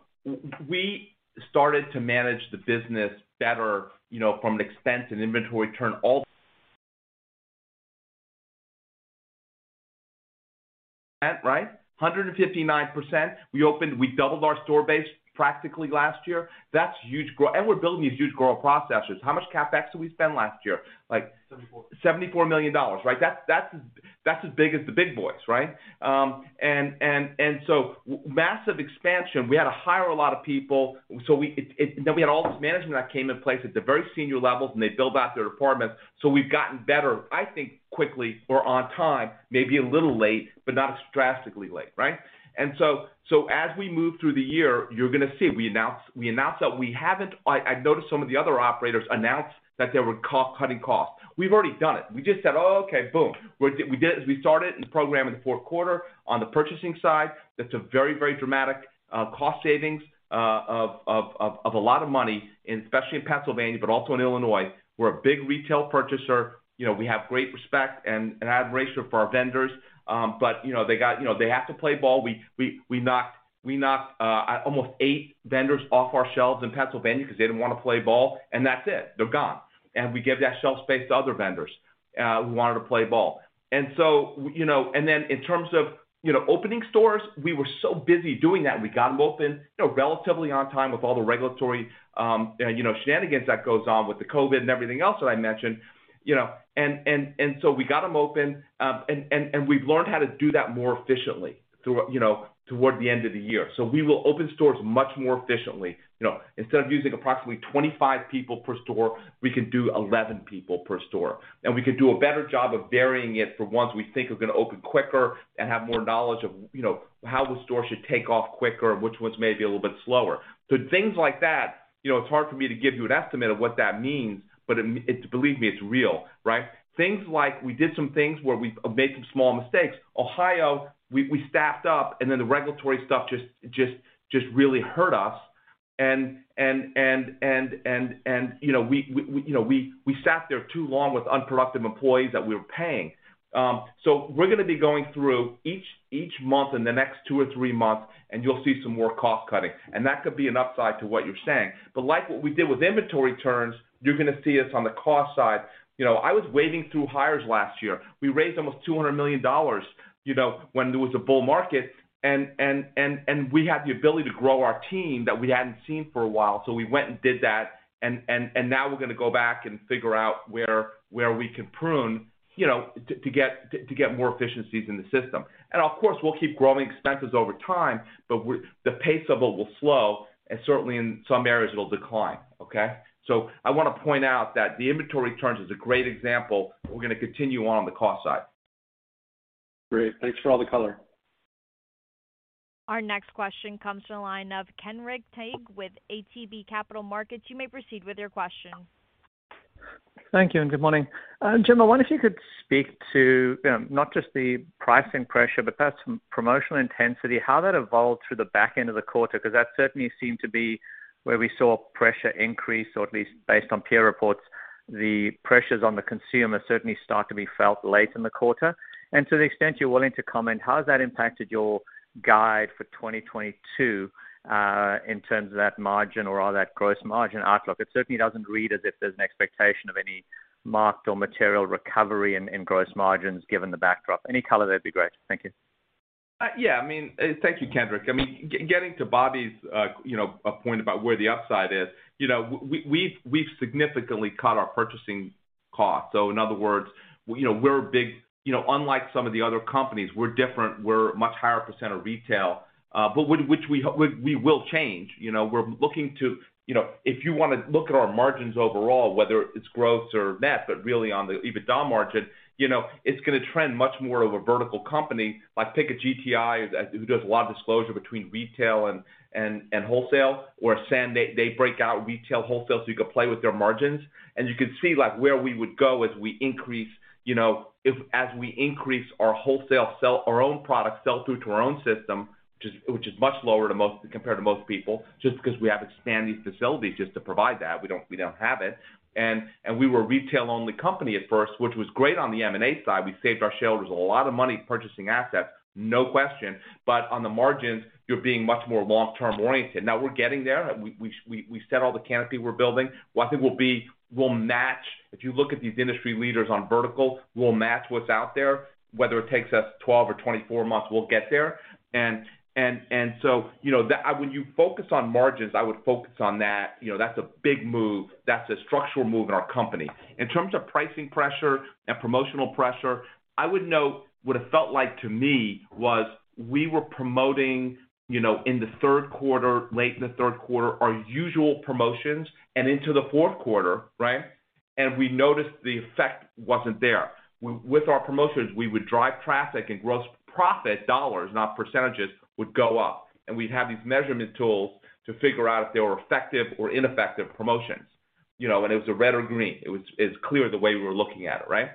we started to manage the business better, you know, from an expense and inventory turn all at, right? 159%. We doubled our store base practically last year. That's huge. We're building these huge grow processors. How much CapEx did we spend last year? Like- Seventy-four. $74 million, right? That's as big as the big boys, right? Massive expansion. We had to hire a lot of people, so we had all this management that came in place at the very senior levels, and they build out their departments. We've gotten better, I think, quickly or on time, maybe a little late, but not drastically late, right? As we move through the year, you're gonna see, we announce that we haven't, I've noticed some of the other operators announce that they were cost-cutting. We've already done it. We just said, "Oh, okay, boom." We did it. We started the program in the fourth quarter on the purchasing side. That's a very, very dramatic cost savings of a lot of money, and especially in Pennsylvania, but also in Illinois. We're a big retail purchaser. You know, we have great respect and admiration for our vendors. But, you know, they have to play ball. We knocked almost eight vendors off our shelves in Pennsylvania because they didn't wanna play ball, and that's it. They're gone. We gave that shelf space to other vendors who wanted to play ball. You know, and then in terms of, you know, opening stores, we were so busy doing that, we got them open, you know, relatively on time with all the regulatory shenanigans that goes on with the COVID and everything else that I mentioned. We got them open, and we've learned how to do that more efficiently through, you know, toward the end of the year. We will open stores much more efficiently. Instead of using approximately 25 people per store, we can do 11 people per store. We can do a better job of varying it for ones we think are gonna open quicker and have more knowledge of, how the store should take off quicker and which ones may be a little bit slower. Things like that, it's hard for me to give you an estimate of what that means, but believe me, it's real, right? Things like we did some things where we've made some small mistakes. Ohio, we staffed up, and then the regulatory stuff just really hurt us. You know, we sat there too long with unproductive employees that we were paying. We're gonna be going through each month in the next two or three months, and you'll see some more cost-cutting, and that could be an upside to what you're saying. Like what we did with inventory turns, you're gonna see us on the cost side. I was waving through hires last year. We raised almost $200 million, when there was a bull market, and we had the ability to grow our team that we hadn't seen for a while. We went and did that, and now we're gonna go back and figure out where we can prune, to get more efficiencies in the system. Of course, we'll keep growing expenses over time, but the pace of it will slow, and certainly in some areas it'll decline, okay? I wanna point out that the inventory turns is a great example. We're gonna continue on the cost side. Great. Thanks for all the color. Our next question comes from the line of Kenric Tyghe with ATB Capital Markets. You may proceed with your question. Thank you and good morning. Jim, I wonder if you could speak to, you know, not just the pricing pressure, but that promotional intensity, how that evolved through the back end of the quarter. That certainly seemed to be where we saw pressure increase, or at least based on peer reports, the pressures on the consumer certainly start to be felt late in the quarter. To the extent you're willing to comment, how has that impacted your guide for 2022, in terms of that margin or that gross margin outlook? It certainly doesn't read as if there's an expectation of any marked or material recovery in gross margins given the backdrop. Any color, that'd be great. Thank you. Yeah, I mean, thank you, Kenric. I mean, getting to Bobby's, you know, point about where the upside is, you know, we've significantly cut our purchasing costs. In other words, you know, unlike some of the other companies, we're different. We're a much higher percent of retail, but which we hope we will change. You know, if you wanna look at our margins overall, whether it's gross or net, but really on the EBITDA margin, you know, it's gonna trend much more of a vertical company. Like, take a GTI who does a lot of disclosure between retail and wholesale, where they break out retail and wholesale, so you can play with their margins. You could see, like, where we would go as we increase, as we increase our wholesale sell-through to our own system, which is much lower compared to most people, just because we haven't expanded these facilities just to provide that. We don't have it. We were a retail-only company at first, which was great on the M&A side. We saved our shareholders a lot of money purchasing assets, no question. But on the margins, you're being much more long-term oriented. Now we're getting there. We set all the canopy we're building. What I think we'll be, we'll match. If you look at these industry leaders on vertical, we'll match what's out there. Whether it takes us 12 or 24 months, we'll get there. You know, when you focus on margins, I would focus on that. You know, that's a big move. That's a structural move in our company. In terms of pricing pressure and promotional pressure, I would note what it felt like to me was we were promoting, in the third quarter, late in the third quarter, our usual promotions and into the fourth quarter, right? We noticed the effect wasn't there. With our promotions, we would drive traffic and gross profit dollars, not percentages, would go up. We'd have these measurement tools to figure out if they were effective or ineffective promotions, you know, and it was a red or green. It's clear the way we were looking at it, right?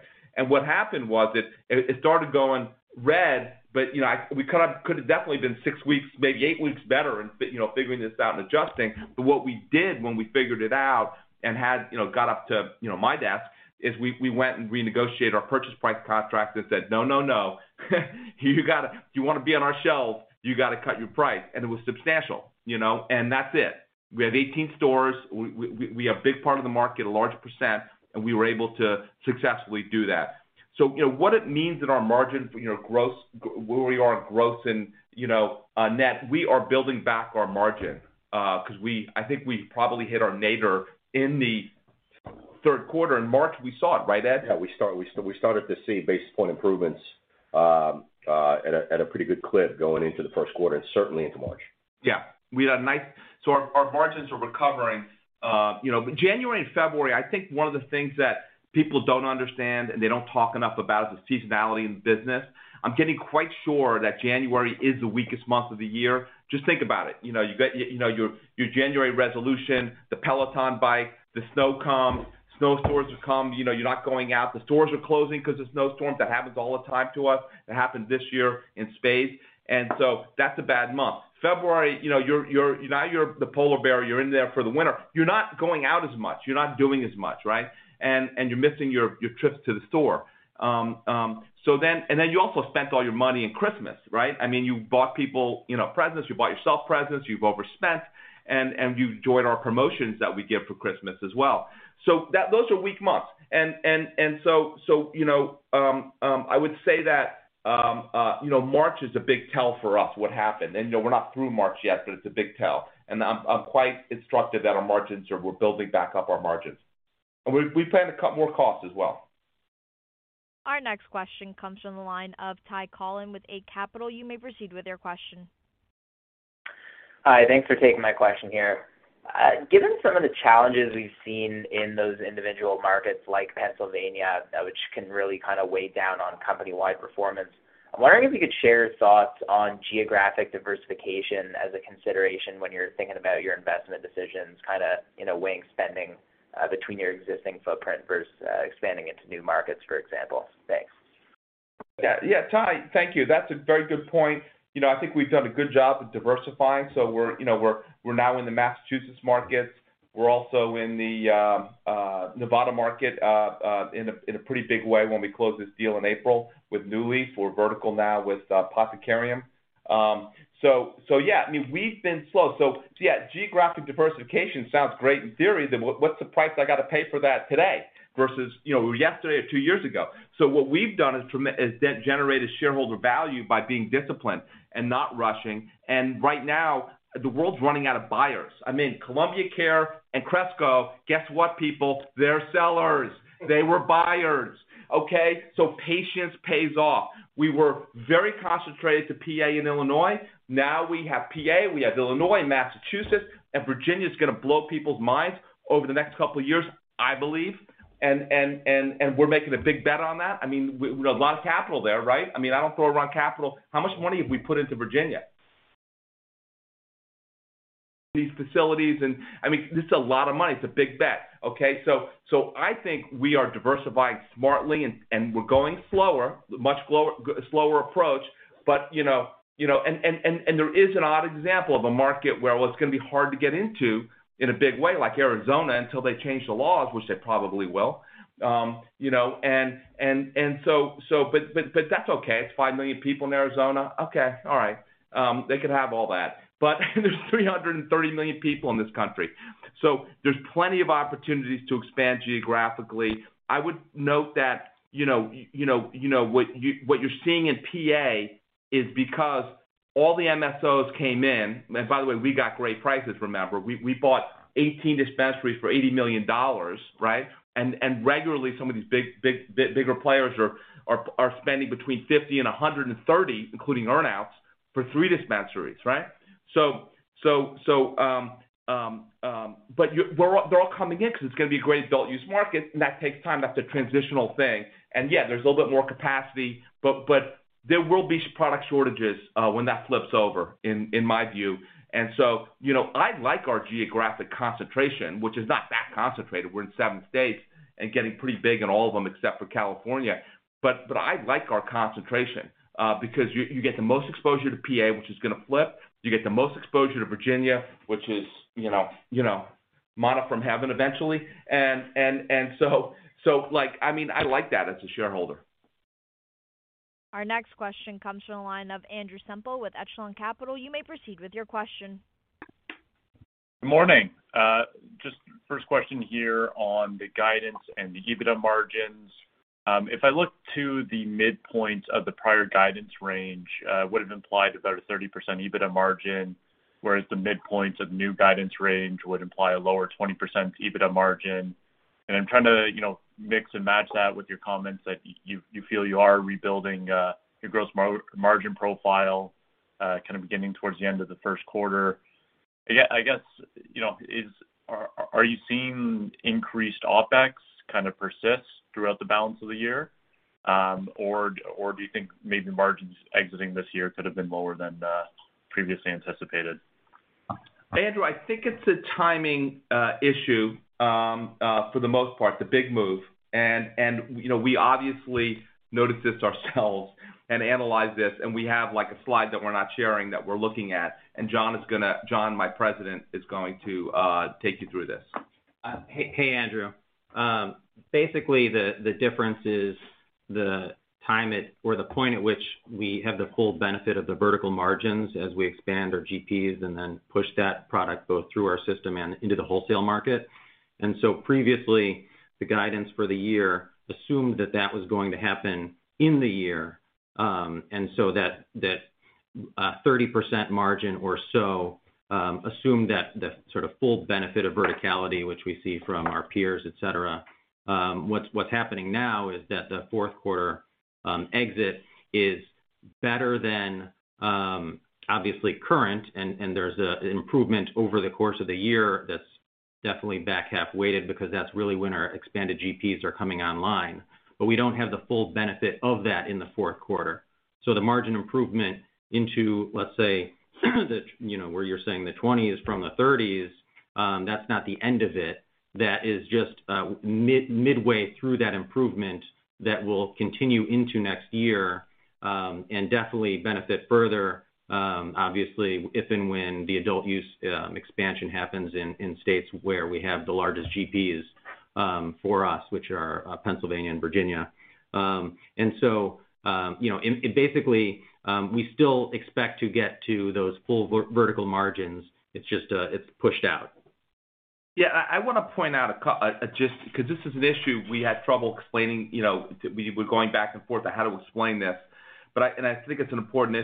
What happened was it started going red, but you know, we could have definitely been six weeks, maybe eight weeks better in figuring this out and adjusting. What we did when we figured it out and had got up to my desk is we went and renegotiated our purchase price contract that said, "No, You gotta. If you wanna be on our shelves, you gotta cut your price." It was substantial, you know. That's it. We have 18 stores. We have big part of the market, a large percent, and we were able to successfully do that. What it means in our margin, gross, where we are in gross and net, we are building back our margin, because I think we probably hit our nadir in the third quarter. In March, we saw it, right, Ed? Yeah, we started to see basis point improvements at a pretty good clip going into the first quarter and certainly into March. Yeah. We had a nice. Our margins are recovering. You know, January and February, I think one of the things that people don't understand and they don't talk enough about is the seasonality in the business. I'm pretty sure that January is the weakest month of the year. Just think about it. You know, your January resolution, the Peloton bike, snowstorms have come, you know, you're not going out. The stores are closing because of snowstorms. That happens all the time to us. It happened this year in spades. That's a bad month. February, you know, you're now the polar bear. You're in there for the winter. You're not going out as much. You're not doing as much, right? And you're missing your trips to the store. Then... Then you also spent all your money in Christmas, right? I mean, you bought people, presents, you bought yourself presents, you've overspent, and you've joined our promotions that we give for Christmas as well. That those are weak months. I would say that, March is a big tell for us what happened. You know, we're not through March yet, but it's a big tell. I'm quite instructive that our margins are building back up our margins. We plan to cut more costs as well. Our next question comes from the line of Ty Collin with Eight Capital. You may proceed with your question. Hi. Thanks for taking my question here. Given some of the challenges we've seen in those individual markets like Pennsylvania, which can really kind of weigh down on company-wide performance, I'm wondering if you could share your thoughts on geographic diversification as a consideration when you're thinking about your investment decisions, kind of in a weighing spending between your existing footprint versus expanding into new markets, for example. Thanks. Yeah. Ty, thank you. That's a very good point. You know, I think we've done a good job of diversifying. We're, now in the Massachusetts markets. We're also in the Nevada market in a pretty big way when we close this deal in April with NuLeaf. We're vertical now with Apothecarium. Yeah, I mean, we've been slow. Yeah, geographic diversification sounds great in theory, then what's the price I gotta pay for that today versus, yesterday or two years ago? What we've done is then generated shareholder value by being disciplined and not rushing. Right now, the world's running out of buyers. I mean, Columbia Care and Cresco, guess what people? They're sellers. They were buyers, okay? Patience pays off. We were very concentrated to PA and Illinois. Now we have PA, we have Illinois, Massachusetts, and Virginia's gonna blow people's minds over the next couple of years, I believe. We're making a big bet on that. I mean, we have a lot of capital there, right? I mean, I don't throw around capital. How much money have we put into Virginia? These facilities. I mean, this is a lot of money. It's a big bet, okay? I think we are diversifying smartly and we're going much slower approach. There is an odd example of a market where, well, it's gonna be hard to get into in a big way, like Arizona, until they change the laws, which they probably will, you know, so. That's okay. It's five million people in Arizona. Okay, all right. They can have all that. There's 330 million people in this country. There's plenty of opportunities to expand geographically. I would note that, what you're seeing in PA is because all the MSOs came in, and by the way, we got great prices, remember. We bought 18 dispensaries for $80 million, right? Regularly, some of these bigger players are spending between $50 million and $130 million, including earn-outs, for three dispensaries, right? They're all coming in 'cause it's gonna be a great adult-use market, and that takes time. That's a transitional thing. Yeah, there's a little bit more capacity, but there will be product shortages when that flips over in my view. I like our geographic concentration, which is not that concentrated. We're in seven states and getting pretty big in all of them except for California. But I like our concentration because you get the most exposure to PA, which is gonna flip, you get the most exposure to Virginia, which is, manna from heaven eventually. Like, I mean, I like that as a shareholder. Our next question comes from the line of Andrew Semple with Echelon Capital Markets. You may proceed with your question. Good morning. Just first question here on the guidance and the EBITDA margins. If I look to the midpoint of the prior guidance range, would've implied about a 30% EBITDA margin, whereas the midpoints of new guidance range would imply a lower 20% EBITDA margin. I'm trying to, you know, mix and match that with your comments that you feel you are rebuilding your gross margin profile, kind of beginning towards the end of the first quarter. Yeah, I guess, you know, are you seeing increased OpEx kind of persist throughout the balance of the year? Or do you think maybe margins exiting this year could have been lower than previously anticipated? Andrew, I think it's a timing issue for the most part, the big move. You know, we obviously notice this ourselves and analyze this, and we have, like, a slide that we're not sharing that we're looking at. Jon, my President, is going to take you through this. Hey, Andrew. Basically the difference is the time at or the point at which we have the full benefit of the vertical margins as we expand our GPs and then push that product both through our system and into the wholesale market. Previously, the guidance for the year assumed that was going to happen in the year. That 30% margin or so assumed that the sort of full benefit of verticality, which we see from our peers, et cetera. What's happening now is that the fourth quarter exit is better than obviously current and there's a improvement over the course of the year that's definitely back half weighted because that's really when our expanded GPs are coming online. We don't have the full benefit of that in the fourth quarter. The margin improvement into, let's say, where you're saying the 20s from the 30s, that's not the end of it. That is just midway through that improvement that will continue into next year, and definitely benefit further, obviously, if and when the adult-use expansion happens in states where we have the largest GPs, for us, which are Pennsylvania and Virginia. And basically, we still expect to get to those full vertical margins. It's just, it's pushed out. I want to point out just 'cause this is an issue we had trouble explaining, we're going back and forth on how to explain this. I think it's an important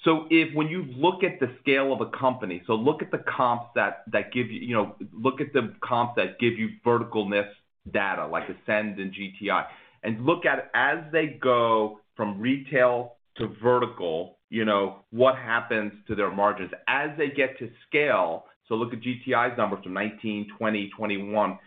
issue. If when you look at the scale of a company, look at the comps that give you know, verticalness data like Ascend and GTI, and look at as they go from retail to vertical, what happens to their margins. As they get to scale, look at GTI's numbers from 2019, 2020, 2021,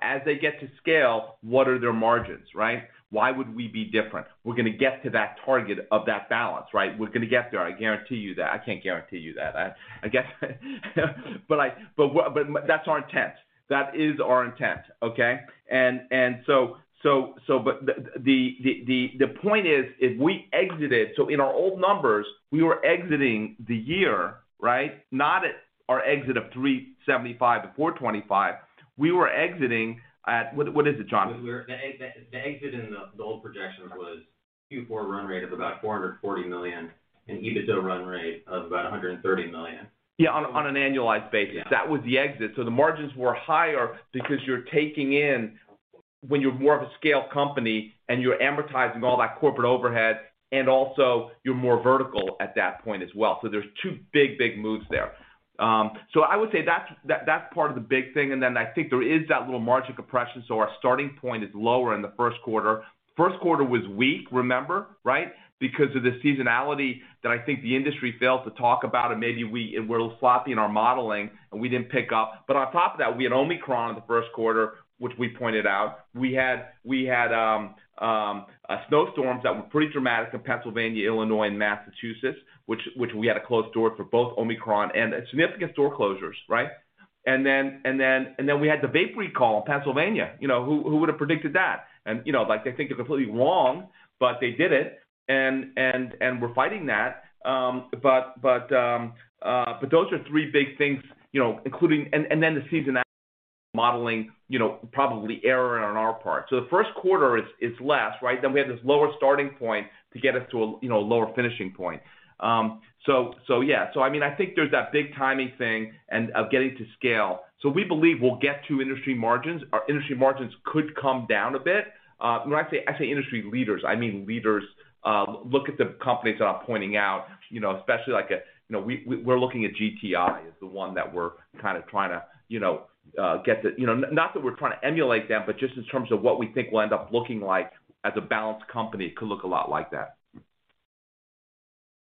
as they get to scale, what are their margins, right? Why would we be different? We're gonna get to that target of that balance, right? We're gonna get there, I guarantee you that. I can't guarantee you that. I guess that's our intent. That is our intent, okay? The point is, if we exited. In our old numbers, we were exiting the year, right? Not at our exit of $375-$425. We were exiting at. What is it, Jon? The exit in the old projection was Q4 run rate of about $440 million and EBITDA run rate of about $130 million. Yeah, on an annualized basis. Yeah. That was the exit. The margins were higher because you're taking in when you're more of a scale company and you're amortizing all that corporate overhead, and also you're more vertical at that point as well. There's two big moves there. I would say that's part of the big thing. Then I think there is that little margin compression, so our starting point is lower in the first quarter. First quarter was weak, remember, right? Because of the seasonality that I think the industry failed to talk about, and maybe we were a little sloppy in our modeling, and we didn't pick up. On top of that, we had Omicron in the first quarter, which we pointed out. We had snowstorms that were pretty dramatic in Pennsylvania, Illinois, and Massachusetts, which we had to close doors for both Omicron and significant store closures, right? Then we had the vape recall in Pennsylvania. Who would have predicted that? like, they think they're completely wrong, but they did it and we're fighting that. Those are three big things, including the seasonality modeling, probably error on our part. The first quarter is less, right? We have this lower starting point to get us to a lower finishing point. Yeah. I mean, I think there's that big timing thing and of getting to scale. We believe we'll get to industry margins. Our industry margins could come down a bit. When I say industry leaders, I mean leaders. Look at the companies that I'm pointing out, especially like, you know, we're looking at GTI as the one that we're kind of trying to, not that we're trying to emulate them, but just in terms of what we think we'll end up looking like as a balanced company, it could look a lot like that.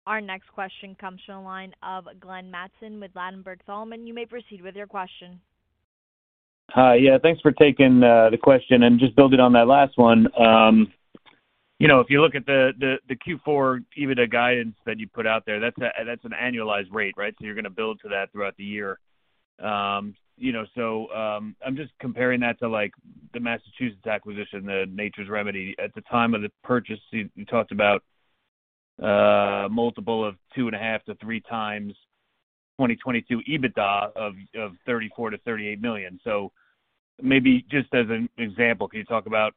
Our next question comes from the line of Glenn Mattson with Ladenburg Thalmann. You may proceed with your question. Hi. Yeah, thanks for taking the question and just building on that last one. You know, if you look at the Q4 EBITDA guidance that you put out there, that's an annualized rate, right? So you're gonna build to that throughout the year. So I'm just comparing that to, like, the Massachusetts acquisition, the Nature's Remedy. At the time of the purchase, you talked about a multiple of 2.5-3 times 2022 EBITDA of $34 million-$38 million. So maybe just as an example, can you talk about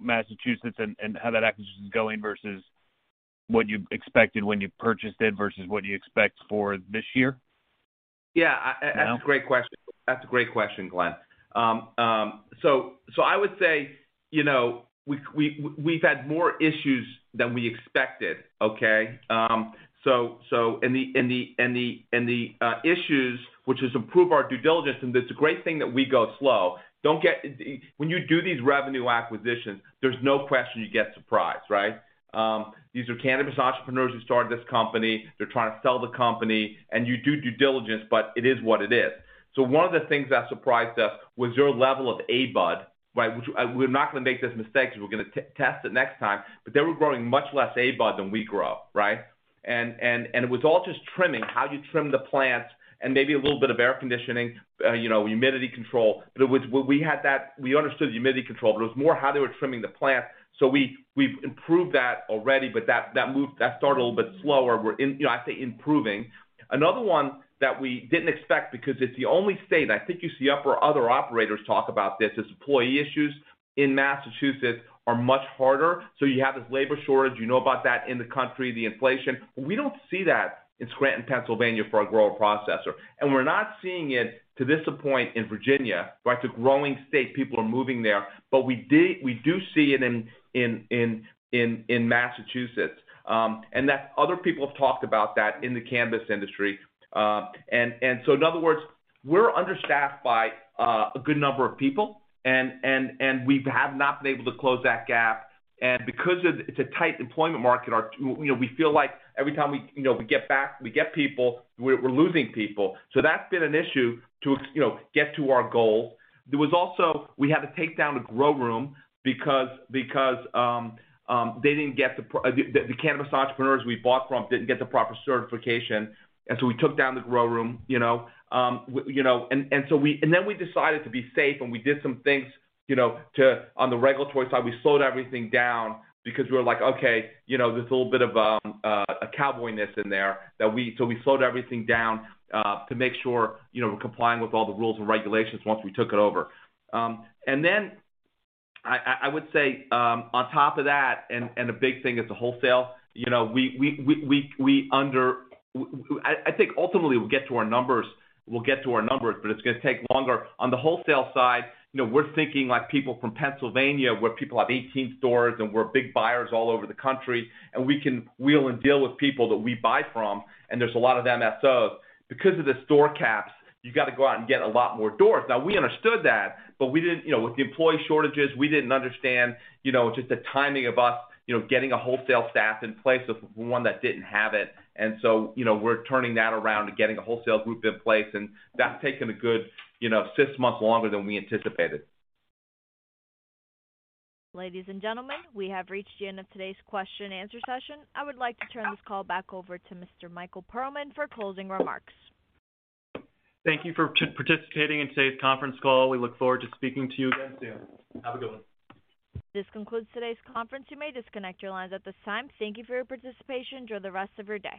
Massachusetts and how that acquisition is going versus what you expected when you purchased it versus what you expect for this year? Yeah. That's a great question, Glenn. I would say, you know, we've had more issues than we expected, okay? And the issues, which has improved our due diligence, and it's a great thing that we go slow. When you do these revenue acquisitions, there's no question you get surprised, right? These are cannabis entrepreneurs who started this company. They're trying to sell the company, and you do due diligence, but it is what it is. One of the things that surprised us was their level of A bud, right? Which we're not gonna make this mistake 'cause we're gonna test it next time. But they were growing much less A bud than we grow, right? And it was all just trimming. How you trim the plants and maybe a little bit of air conditioning, you know, humidity control. We had that. We understood the humidity control, but it was more how they were trimming the plant, so we've improved that already. That moved. That started a little bit slower. We're improving, you know. I say improving. Another one that we didn't expect because it's the only state, and I think you see other operators talk about this, is employee issues in Massachusetts are much harder. You have this labor shortage. You know about that in the country, the inflation. We don't see that in Scranton, Pennsylvania for a grower processor, and we're not seeing it to this point in Virginia, right? It's a growing state. People are moving there. We do see it in Massachusetts, and that other people have talked about that in the cannabis industry. In other words, we're understaffed by a good number of people and we have not been able to close that gap. Because it's a tight employment market, you know, we feel like every time we, you know, we get people, we're losing people. That's been an issue to, you know, get to our goal. There was also, we had to take down a grow room because the cannabis entrepreneurs we bought from didn't get the proper certification, and so we took down the grow room, and so we decided to be safe, and we did some things, to on the regulatory side, we slowed everything down because we were like, okay, there's a little bit of a cowboy-ness in there. We slowed everything down to make sure, we're complying with all the rules and regulations once we took it over. I would say on top of that, and a big thing is the wholesale. I think ultimately we'll get to our numbers, but it's gonna take longer. On the wholesale side, we're thinking like people from Pennsylvania, where people have 18 stores and we're big buyers all over the country, and we can wheel and deal with people that we buy from, and there's a lot of MSOs. Because of the store caps, you gotta go out and get a lot more doors. Now, we understood that, but we didn't, with the employee shortages, we didn't understand, you know, just the timing of us, getting a wholesale staff in place of one that didn't have it. We're turning that around and getting a wholesale group in place, and that's taken a good, you know, six months longer than we anticipated. Ladies and gentlemen, we have reached the end of today's question and answer session. I would like to turn this call back over to Mr. Michael Perlman for closing remarks. Thank you for participating in today's conference call. We look forward to speaking to you again soon. Have a good one. This concludes today's conference. You may disconnect your lines at this time. Thank you for your participation. Enjoy the rest of your day.